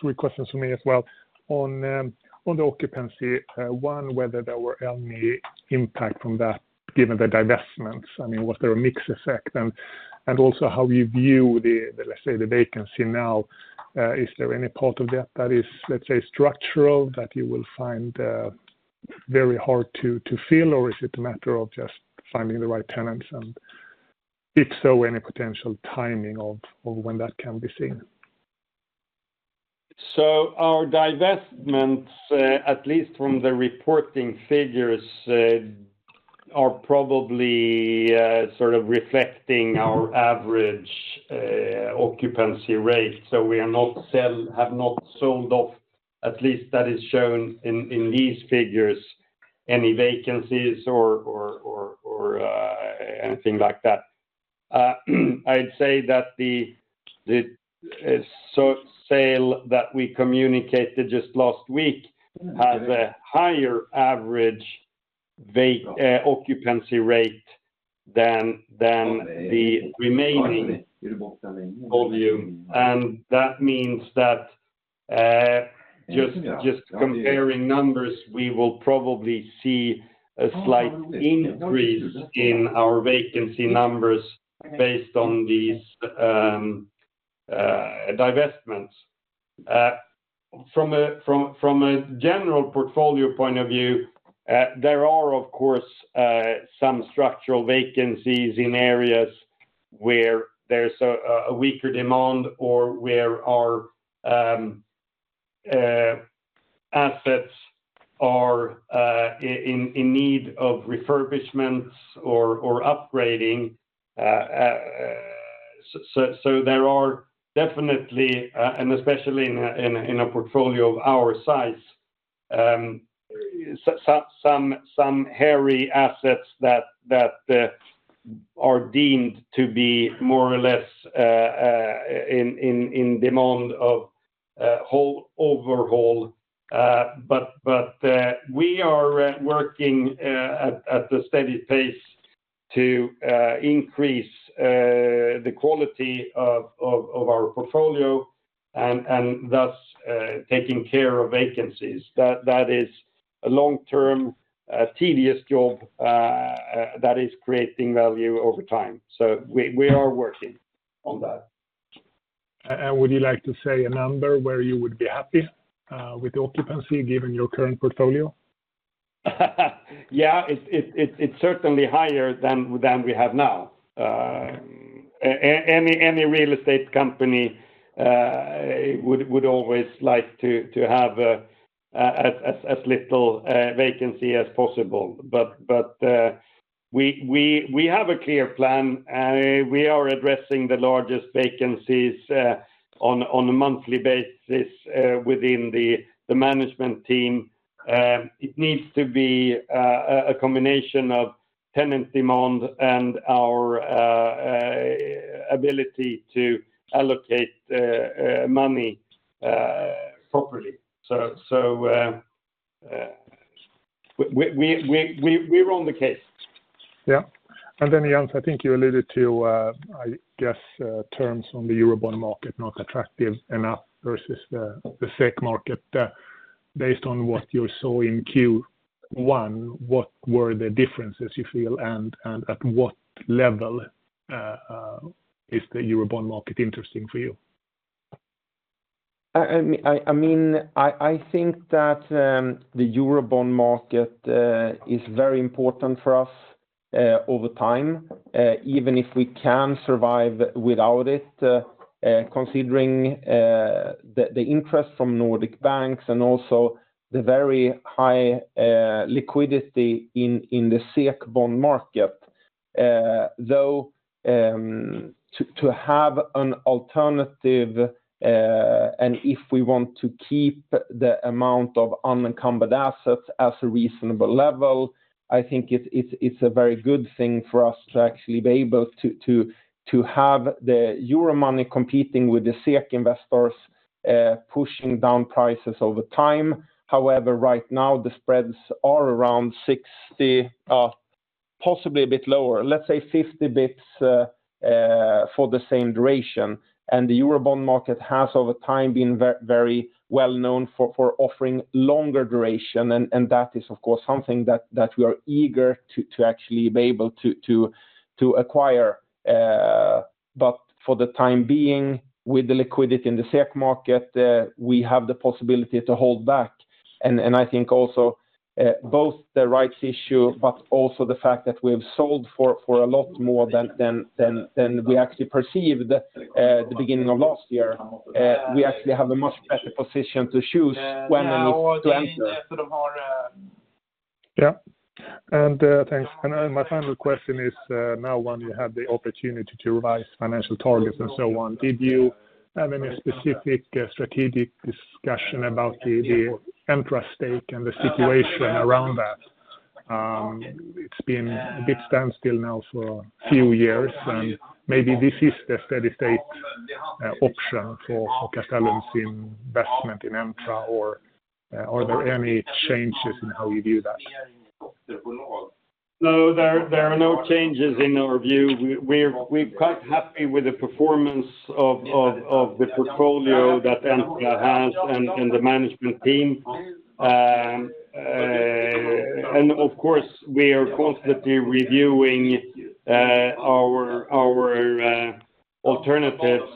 Three questions for me as well. On the occupancy, one, whether there were any impact from that given the divestments. I mean, was there a mixed effect? And also how you view, let's say, the vacancy now. Is there any part of that that is, let's say, structural that you will find very hard to fill, or is it a matter of just finding the right tenants? And if so, any potential timing of when that can be seen? So our divestments, at least from the reporting figures, are probably sort of reflecting our average occupancy rate. So we have not sold off, at least that is shown in these figures, any vacancies or anything like that. I'd say that the sale that we communicated just last week has a higher average occupancy rate than the remaining volume. And that means that just comparing numbers, we will probably see a slight increase in our vacancy numbers based on these divestments. From a general portfolio point of view, there are, of course, some structural vacancies in areas where there's a weaker demand or where our assets are in need of refurbishments or upgrading. So there are definitely, and especially in a portfolio of our size, some hairy assets that are deemed to be more or less in demand of overhaul. We are working at a steady pace to increase the quality of our portfolio and thus taking care of vacancies. That is a long-term, tedious job that is creating value over time. We are working on that. Would you like to say a number where you would be happy with the occupancy given your current portfolio? Yeah. It's certainly higher than we have now. Any real estate company would always like to have as little vacancy as possible. But we have a clear plan, and we are addressing the largest vacancies on a monthly basis within the management team. It needs to be a combination of tenant demand and our ability to allocate money properly. So we're on the case. Yeah. And then, Jens, I think you alluded to, I guess, terms on the Eurobond market not attractive enough versus the SEK market. Based on what you saw in Q1, what were the differences you feel, and at what level is the Eurobond market interesting for you? I mean, I think that the Eurobond market is very important for us over time, even if we can survive without it, considering the interest from Nordic banks and also the very high liquidity in the SEC bond market. Though to have an alternative, and if we want to keep the amount of unencumbered assets at a reasonable level, I think it's a very good thing for us to actually be able to have the euro money competing with the SEC investors pushing down prices over time. However, right now, the spreads are around 60, possibly a bit lower, let's say 50 bips for the same duration. And the Eurobond market has over time been very well known for offering longer duration. And that is, of course, something that we are eager to actually be able to acquire. For the time being, with the liquidity in the SEK market, we have the possibility to hold back. I think also both the rights issue, but also the fact that we've sold for a lot more than we actually perceived the beginning of last year, we actually have a much better position to choose when and if to enter. Yeah. Thanks. My final question is now when you had the opportunity to revise financial targets and so on, did you have any specific strategic discussion about the Entra stake and the situation around that? It's been a bit standstill now for a few years. Maybe this is the steady state option for Castellum's investment in Entra, or are there any changes in how you view that? No, there are no changes in our view. We're quite happy with the performance of the portfolio that Entra has and the management team. And of course, we are constantly reviewing our alternatives.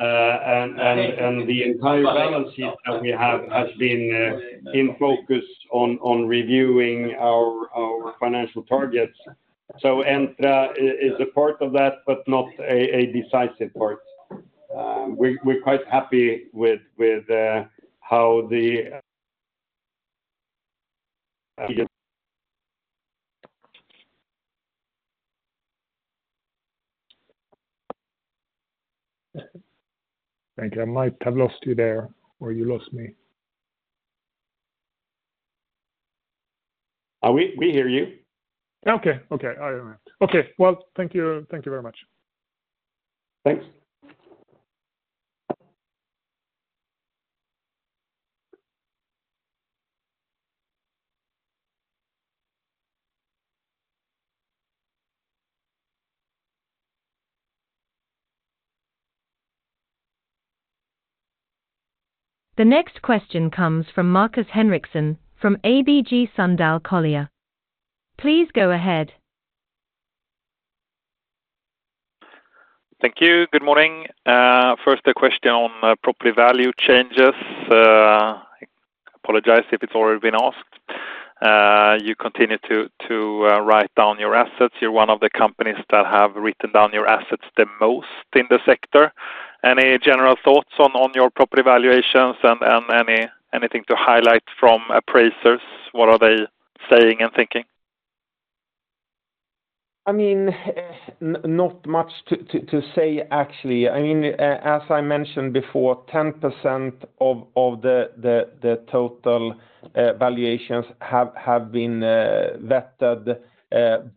And the entire balance sheet that we have has been in focus on reviewing our financial targets. So Entra is a part of that, but not a decisive part. We're quite happy with how the. Thank you. I might have lost you there or you lost me. We hear you. Okay. Okay. I am here. Okay. Well, thank you very much. Thanks. The next question comes from Marcus Henriksen from ABG Sundal Collier. Please go ahead. Thank you. Good morning. First, a question on property value changes. I apologize if it's already been asked. You continue to write down your assets. You're one of the companies that have written down your assets the most in the sector. Any general thoughts on your property valuations and anything to highlight from appraisers? What are they saying and thinking? I mean, not much to say, actually. I mean, as I mentioned before, 10% of the total valuations have been vetted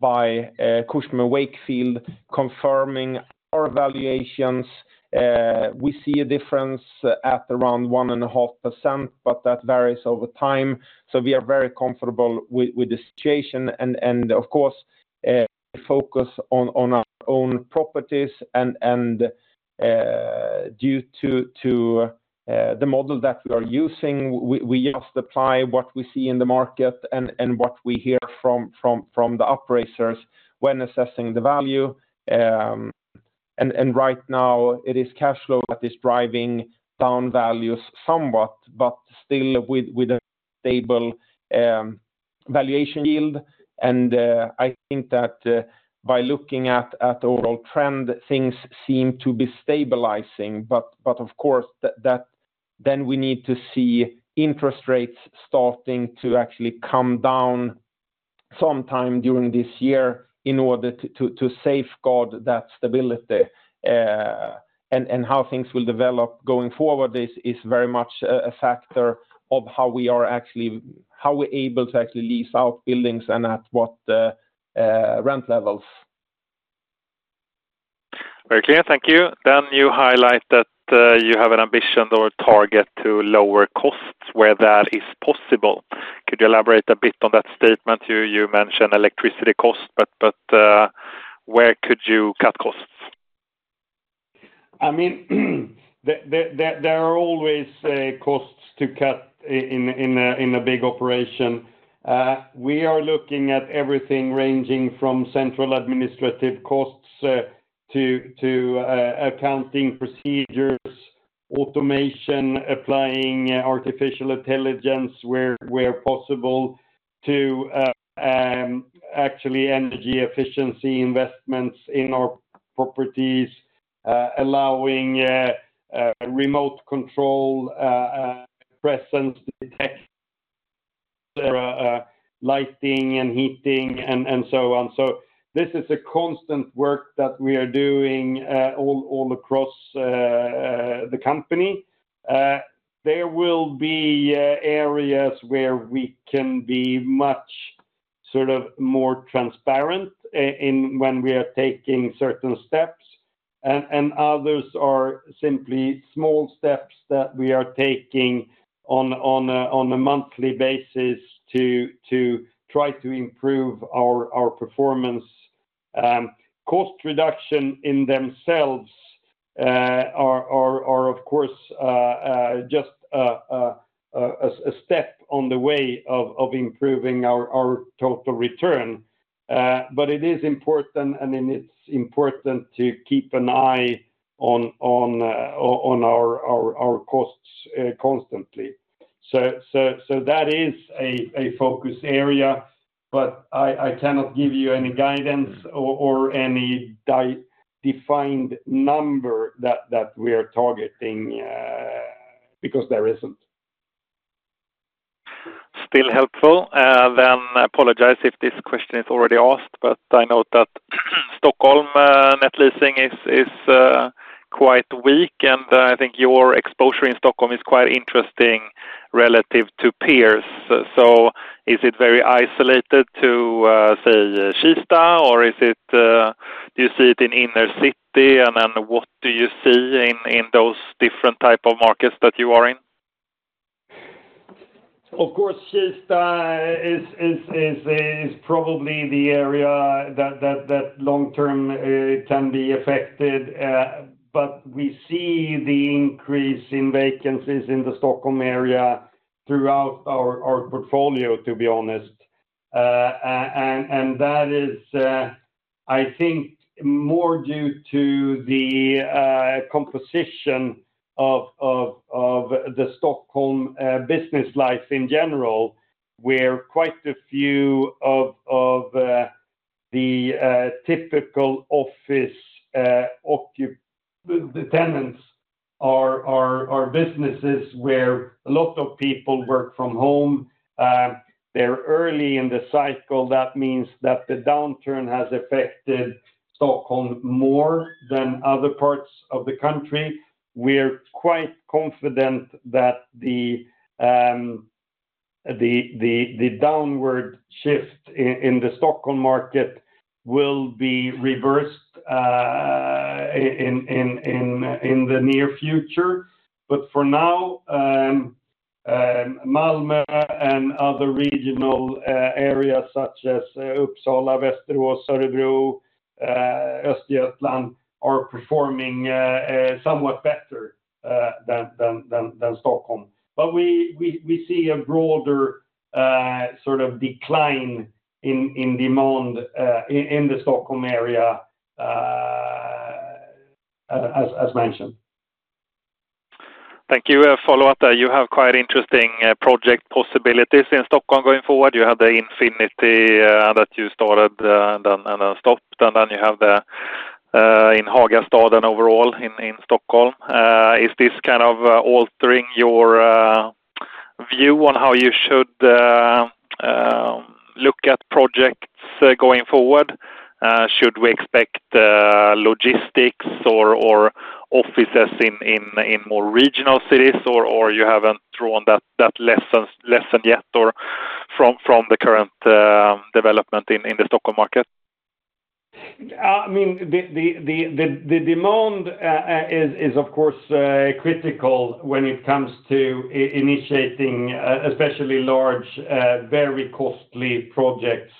by Cushman & Wakefield, confirming our valuations. We see a difference at around 1.5%, but that varies over time. So we are very comfortable with the situation. And of course, we focus on our own properties. And due to the model that we are using, we just apply what we see in the market and what we hear from the appraisers when assessing the value. And right now, it is cash flow that is driving down values somewhat, but still with a stable valuation yield. And I think that by looking at the overall trend, things seem to be stabilizing. But of course, then we need to see interest rates starting to actually come down sometime during this year in order to safeguard that stability. How things will develop going forward is very much a factor of how we're actually able to lease out buildings and at what rent levels. Very clear. Thank you. Then you highlight that you have an ambition or target to lower costs where that is possible. Could you elaborate a bit on that statement? You mentioned electricity costs, but where could you cut costs? I mean, there are always costs to cut in a big operation. We are looking at everything ranging from central administrative costs to accounting procedures, automation, applying artificial intelligence where possible, to actually energy efficiency investments in our properties, allowing remote control presence detection, lighting and heating, and so on. So this is a constant work that we are doing all across the company. There will be areas where we can be much sort of more transparent when we are taking certain steps, and others are simply small steps that we are taking on a monthly basis to try to improve our performance. Cost reduction in themselves are, of course, just a step on the way of improving our total return. But it is important, and it's important to keep an eye on our costs constantly. That is a focus area, but I cannot give you any guidance or any defined number that we are targeting because there isn't. Still helpful. I apologize if this question is already asked, but I note that Stockholm net leasing is quite weak, and I think your exposure in Stockholm is quite interesting relative to peers. So is it very isolated to, say, Kista, or do you see it in inner city, and then what do you see in those different types of markets that you are in? Of course, Kista is probably the area that long-term can be affected. But we see the increase in vacancies in the Stockholm area throughout our portfolio, to be honest. And that is, I think, more due to the composition of the Stockholm business life in general, where quite a few of the typical office tenants are businesses where a lot of people work from home. They're early in the cycle. That means that the downturn has affected Stockholm more than other parts of the country. We're quite confident that the downward shift in the Stockholm market will be reversed in the near future. But for now, Malmö and other regional areas such as Uppsala, Västerås, Örebro, Östergötland are performing somewhat better than Stockholm. But we see a broader sort of decline in demand in the Stockholm area, as mentioned. Thank you. Follow up there. You have quite interesting project possibilities in Stockholm going forward. You had the Infinity that you started and then stopped, and then you have the in Hagastaden overall in Stockholm. Is this kind of altering your view on how you should look at projects going forward? Should we expect logistics or offices in more regional cities, or you haven't drawn that lesson yet from the current development in the Stockholm market? I mean, the demand is, of course, critical when it comes to initiating especially large, very costly projects.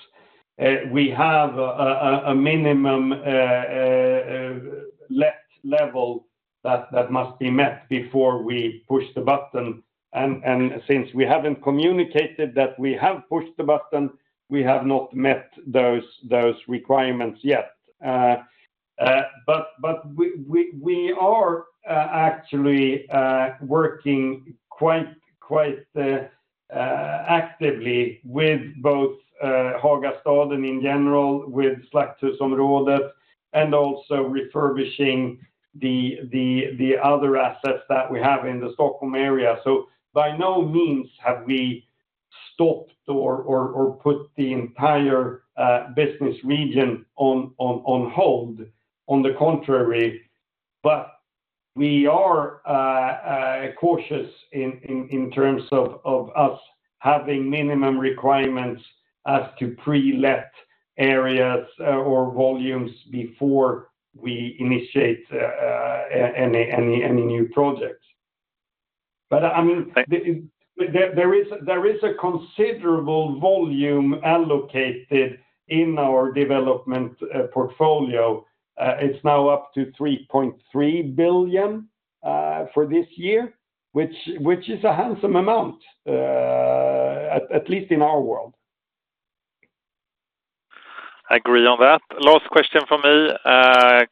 We have a minimum level that must be met before we push the button. And since we haven't communicated that we have pushed the button, we have not met those requirements yet. But we are actually working quite actively with both Hagastaden in general, with Slakthusområdet, and also refurbishing the other assets that we have in the Stockholm area. So by no means have we stopped or put the entire business region on hold. On the contrary, but we are cautious in terms of us having minimum requirements as to pre-let areas or volumes before we initiate any new projects. But I mean, there is a considerable volume allocated in our development portfolio. It's now up to 3.3 billion for this year, which is a handsome amount, at least in our world. Agree on that. Last question from me.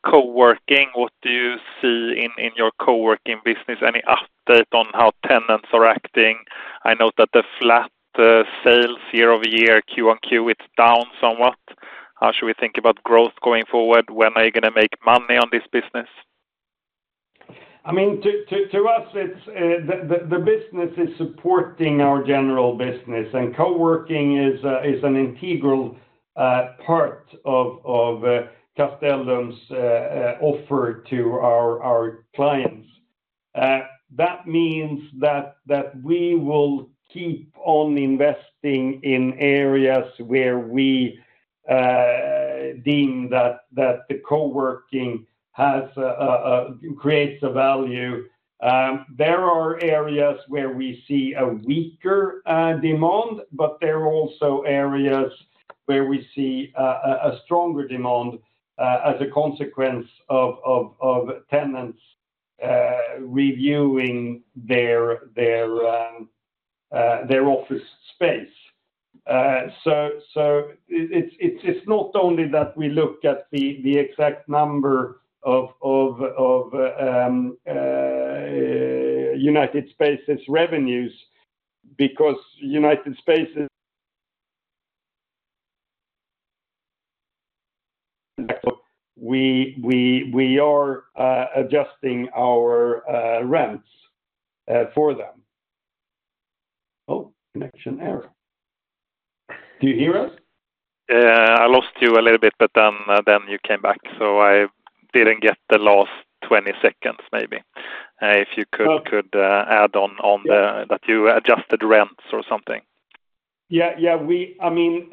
Coworking, what do you see in your coworking business? Any update on how tenants are acting? I note that the flat sales year-over-year, Q-on-Q, it's down somewhat. How should we think about growth going forward? When are you going to make money on this business? I mean, to us, the business is supporting our general business, and coworking is an integral part of Castellum's offer to our clients. That means that we will keep on investing in areas where we deem that the coworking creates a value. There are areas where we see a weaker demand, but there are also areas where we see a stronger demand as a consequence of tenants reviewing their office space. So it's not only that we look at the exact number of United Spaces revenues because United Spaces. So we are adjusting our rents for them. Oh, connection error. Do you hear us? I lost you a little bit, but then you came back. So I didn't get the last 20 seconds, maybe. If you could add on that you adjusted rents or something. Yeah. Yeah. I mean,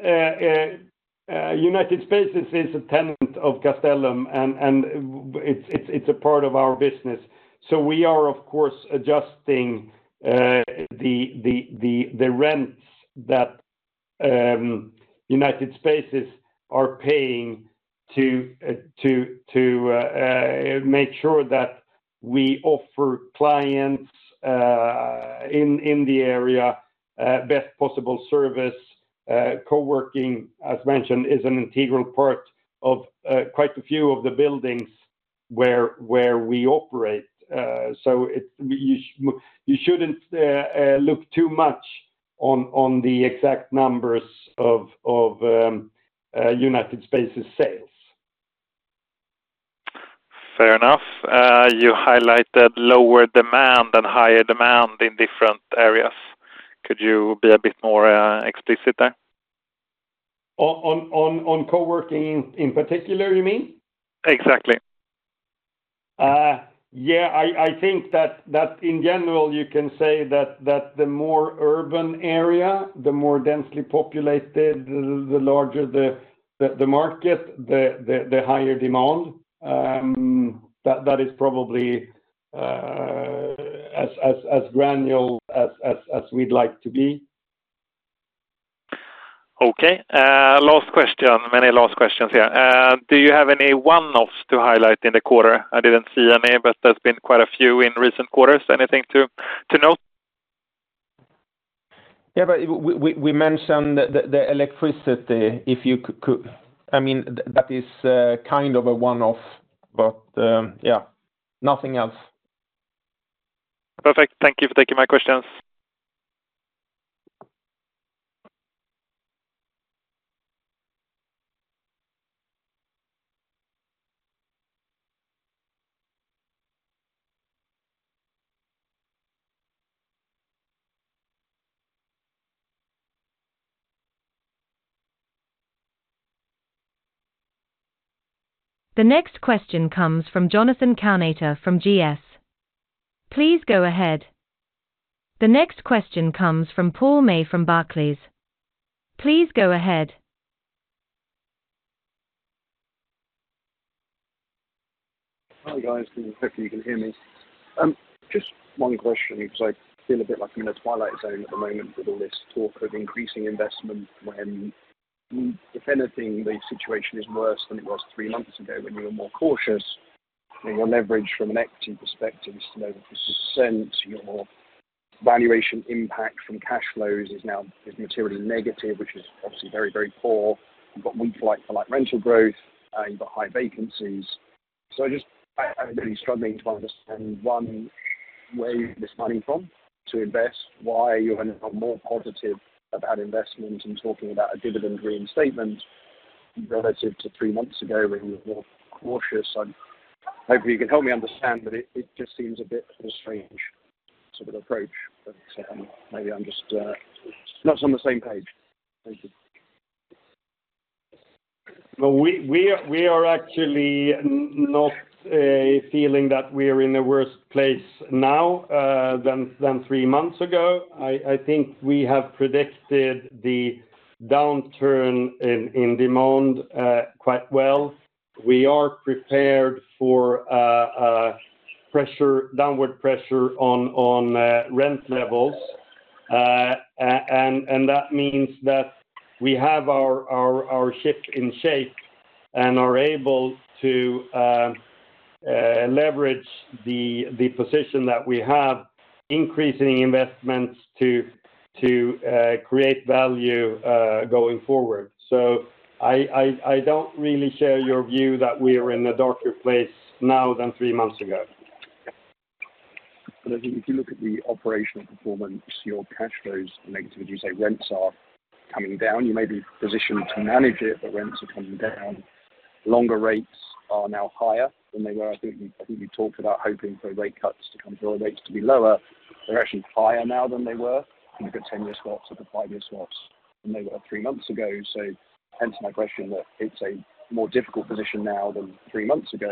United Spaces is a tenant of Castellum, and it's a part of our business. So we are, of course, adjusting the rents that United Spaces are paying to make sure that we offer clients in the area best possible service. Coworking, as mentioned, is an integral part of quite a few of the buildings where we operate. So you shouldn't look too much on the exact numbers of United Spaces' sales. Fair enough. You highlighted lower demand and higher demand in different areas. Could you be a bit more explicit there? On coworking in particular, you mean? Exactly. Yeah. I think that in general, you can say that the more urban area, the more densely populated, the larger the market, the higher demand. That is probably as granular as we'd like to be. Okay. Last question. Many last questions here. Do you have any one-offs to highlight in the quarter? I didn't see any, but there's been quite a few in recent quarters. Anything to note? Yeah. But we mentioned the electricity, if you could. I mean, that is kind of a one-off, but yeah, nothing else. Perfect. Thank you for taking my questions. The next question comes from Jonathan Kownator from GS. Please go ahead. The next question comes from Paul May from Barclays. Please go ahead. Hi, guys. I'm hoping you can hear me. Just one question because I feel a bit like I'm in a twilight zone at the moment with all this talk of increasing investment when definitively the situation is worse than it was three months ago when you were more cautious. Your leverage from an equity perspective is still over 50%. Your valuation impact from cash flows is now materially negative, which is obviously very, very poor. You've got weak rental growth. You've got high vacancies. So I'm really struggling to understand one way this money's from to invest, why you're now more positive about investment and talking about a dividend reinstatement relative to three months ago when you were more cautious. I hope you can help me understand, but it just seems a bit of a strange sort of approach. But maybe I'm just not on the same page. Thank you. Well, we are actually not feeling that we're in a worse place now than three months ago. I think we have predicted the downturn in demand quite well. We are prepared for downward pressure on rent levels. That means that we have our ship in shape and are able to leverage the position that we have, increasing investments to create value going forward. I don't really share your view that we are in a darker place now than three months ago. I think if you look at the operational performance, your cash flows are negative. As you say, rents are coming down. You may be positioned to manage it, but rents are coming down. Longer rates are now higher than they were. I think you talked about hoping for rate cuts to come through or rates to be lower. They're actually higher now than they were. You look at 10-year swaps or the 5-year swaps than they were three months ago. So hence my question that it's a more difficult position now than three months ago.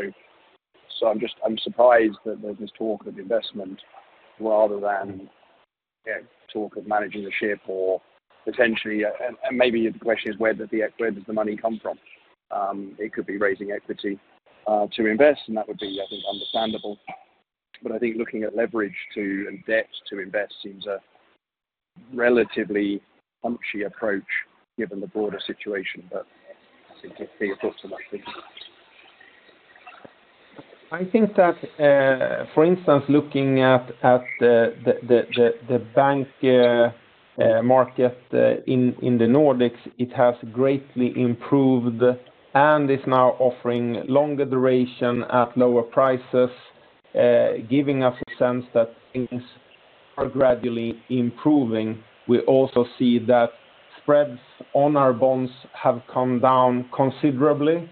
So I'm surprised that there's this talk of investment rather than talk of managing the ship or potentially and maybe the question is where does the money come from? It could be raising equity to invest, and that would be, I think, understandable. But I think looking at leverage and debt to invest seems a relatively punchy approach given the broader situation. But I think it's being talked about. I think that, for instance, looking at the bank market in the Nordics, it has greatly improved and is now offering longer duration at lower prices, giving us a sense that things are gradually improving. We also see that spreads on our bonds have come down considerably.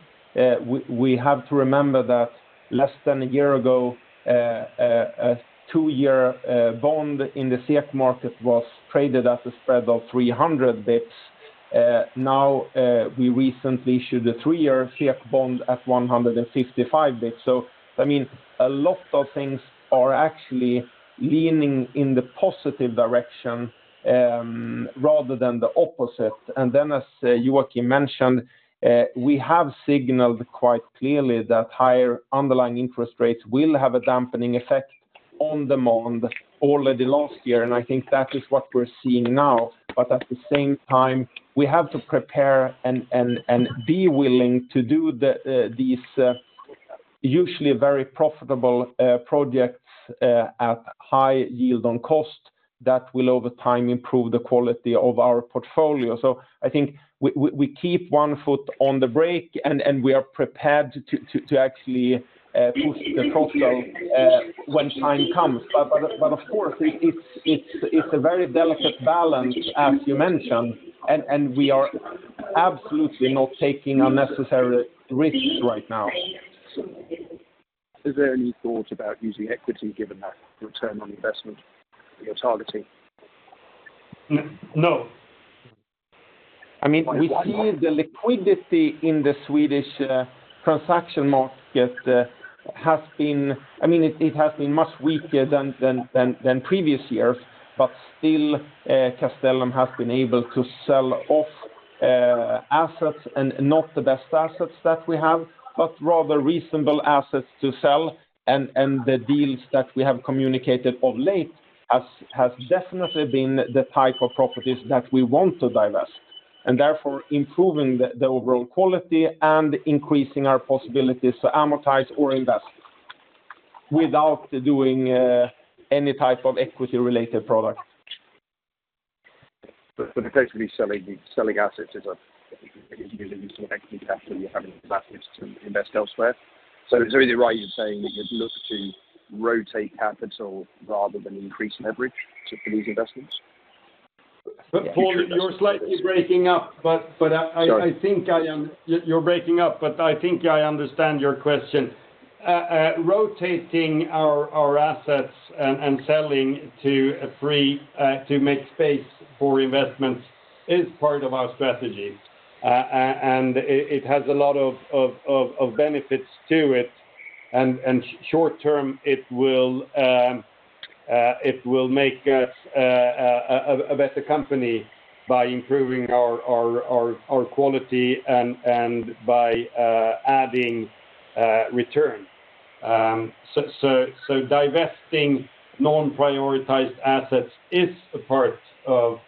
We have to remember that less than a year ago, a two-year bond in the SEK market was traded at a spread of 300 basis points. Now, we recently issued a three-year SEK bond at 155 basis points. So I mean, a lot of things are actually leaning in the positive direction rather than the opposite. And then, as Joacim mentioned, we have signaled quite clearly that higher underlying interest rates will have a dampening effect on demand already last year. And I think that is what we're seeing now. But at the same time, we have to prepare and be willing to do these usually very profitable projects at high yield on cost that will, over time, improve the quality of our portfolio. So I think we keep one foot on the brake, and we are prepared to actually push the throttle when time comes. But of course, it's a very delicate balance, as you mentioned. And we are absolutely not taking unnecessary risks right now. Is there any thought about using equity given that return on investment you're targeting? No. I mean, we see the liquidity in the Swedish transaction market has been—I mean, it has been much weaker than previous years—but still, Castellum has been able to sell off assets and not the best assets that we have, but rather reasonable assets to sell. The deals that we have communicated of late have definitely been the type of properties that we want to divest, and therefore improving the overall quality and increasing our possibilities to amortize or invest without doing any type of equity-related product. But effectively, selling assets is using some equity capital you're having to divest to invest elsewhere. So is it right you're saying that you'd look to rotate capital rather than increase leverage for these investments? Paul, you're slightly breaking up, but I think you're breaking up, but I think I understand your question. Rotating our assets and selling to make space for investments is part of our strategy, and it has a lot of benefits to it. Short term, it will make us a better company by improving our quality and by adding return. Divesting non-prioritized assets is a part of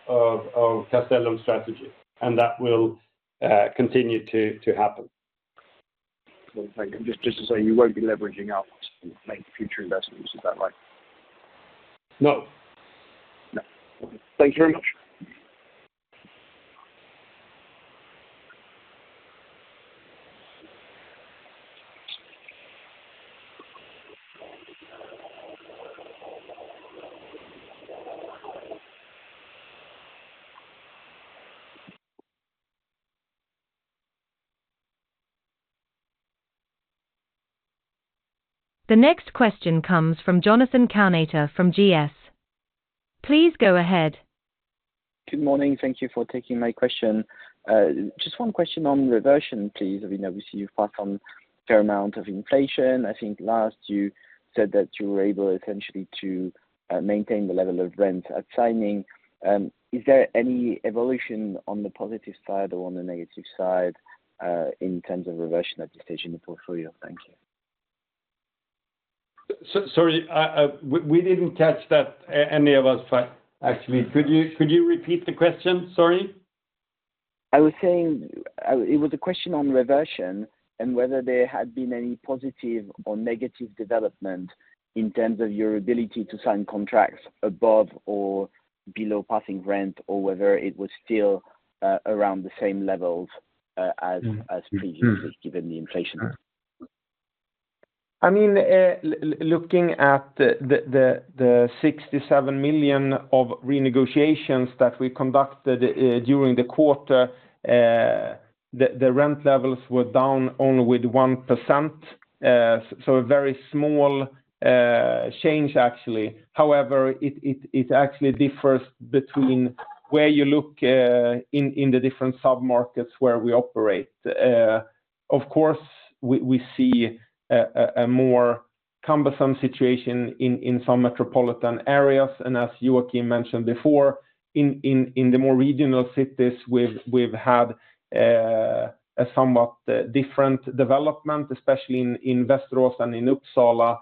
Castellum's strategy, and that will continue to happen. One second. Just to say, you won't be leveraging out and make future investments. Is that right? No. No. Okay. Thank you very much. The next question comes from Jonathan Carnater from GS. Please go ahead. Good morning. Thank you for taking my question. Just one question on reversion, please. We see you pass on a fair amount of inflation. I think last, you said that you were able, essentially, to maintain the level of rents at signing. Is there any evolution on the positive side or on the negative side in terms of reversion at this stage in the portfolio? Thank you. Sorry. We didn't catch that, any of us, actually. Could you repeat the question? Sorry. I was saying it was a question on reversion and whether there had been any positive or negative development in terms of your ability to sign contracts above or below passing rent or whether it was still around the same levels as previously given the inflation. I mean, looking at the 67 million of renegotiations that we conducted during the quarter, the rent levels were down only with 1%, so a very small change, actually. However, it actually differs between where you look in the different submarkets where we operate. Of course, we see a more cumbersome situation in some metropolitan areas. And as Joacim mentioned before, in the more regional cities, we've had a somewhat different development, especially in Västerås and in Uppsala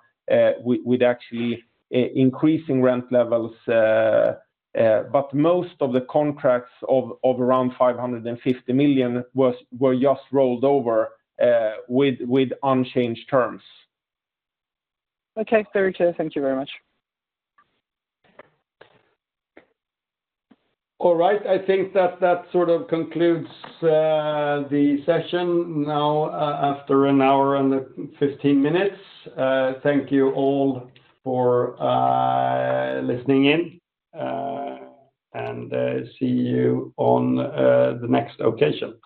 with actually increasing rent levels. But most of the contracts of around 550 million were just rolled over with unchanged terms. Okay. Very clear. Thank you very much. All right. I think that sort of concludes the session now after 1 hour and 15 minutes. Thank you all for listening in, and see you on the next occasion.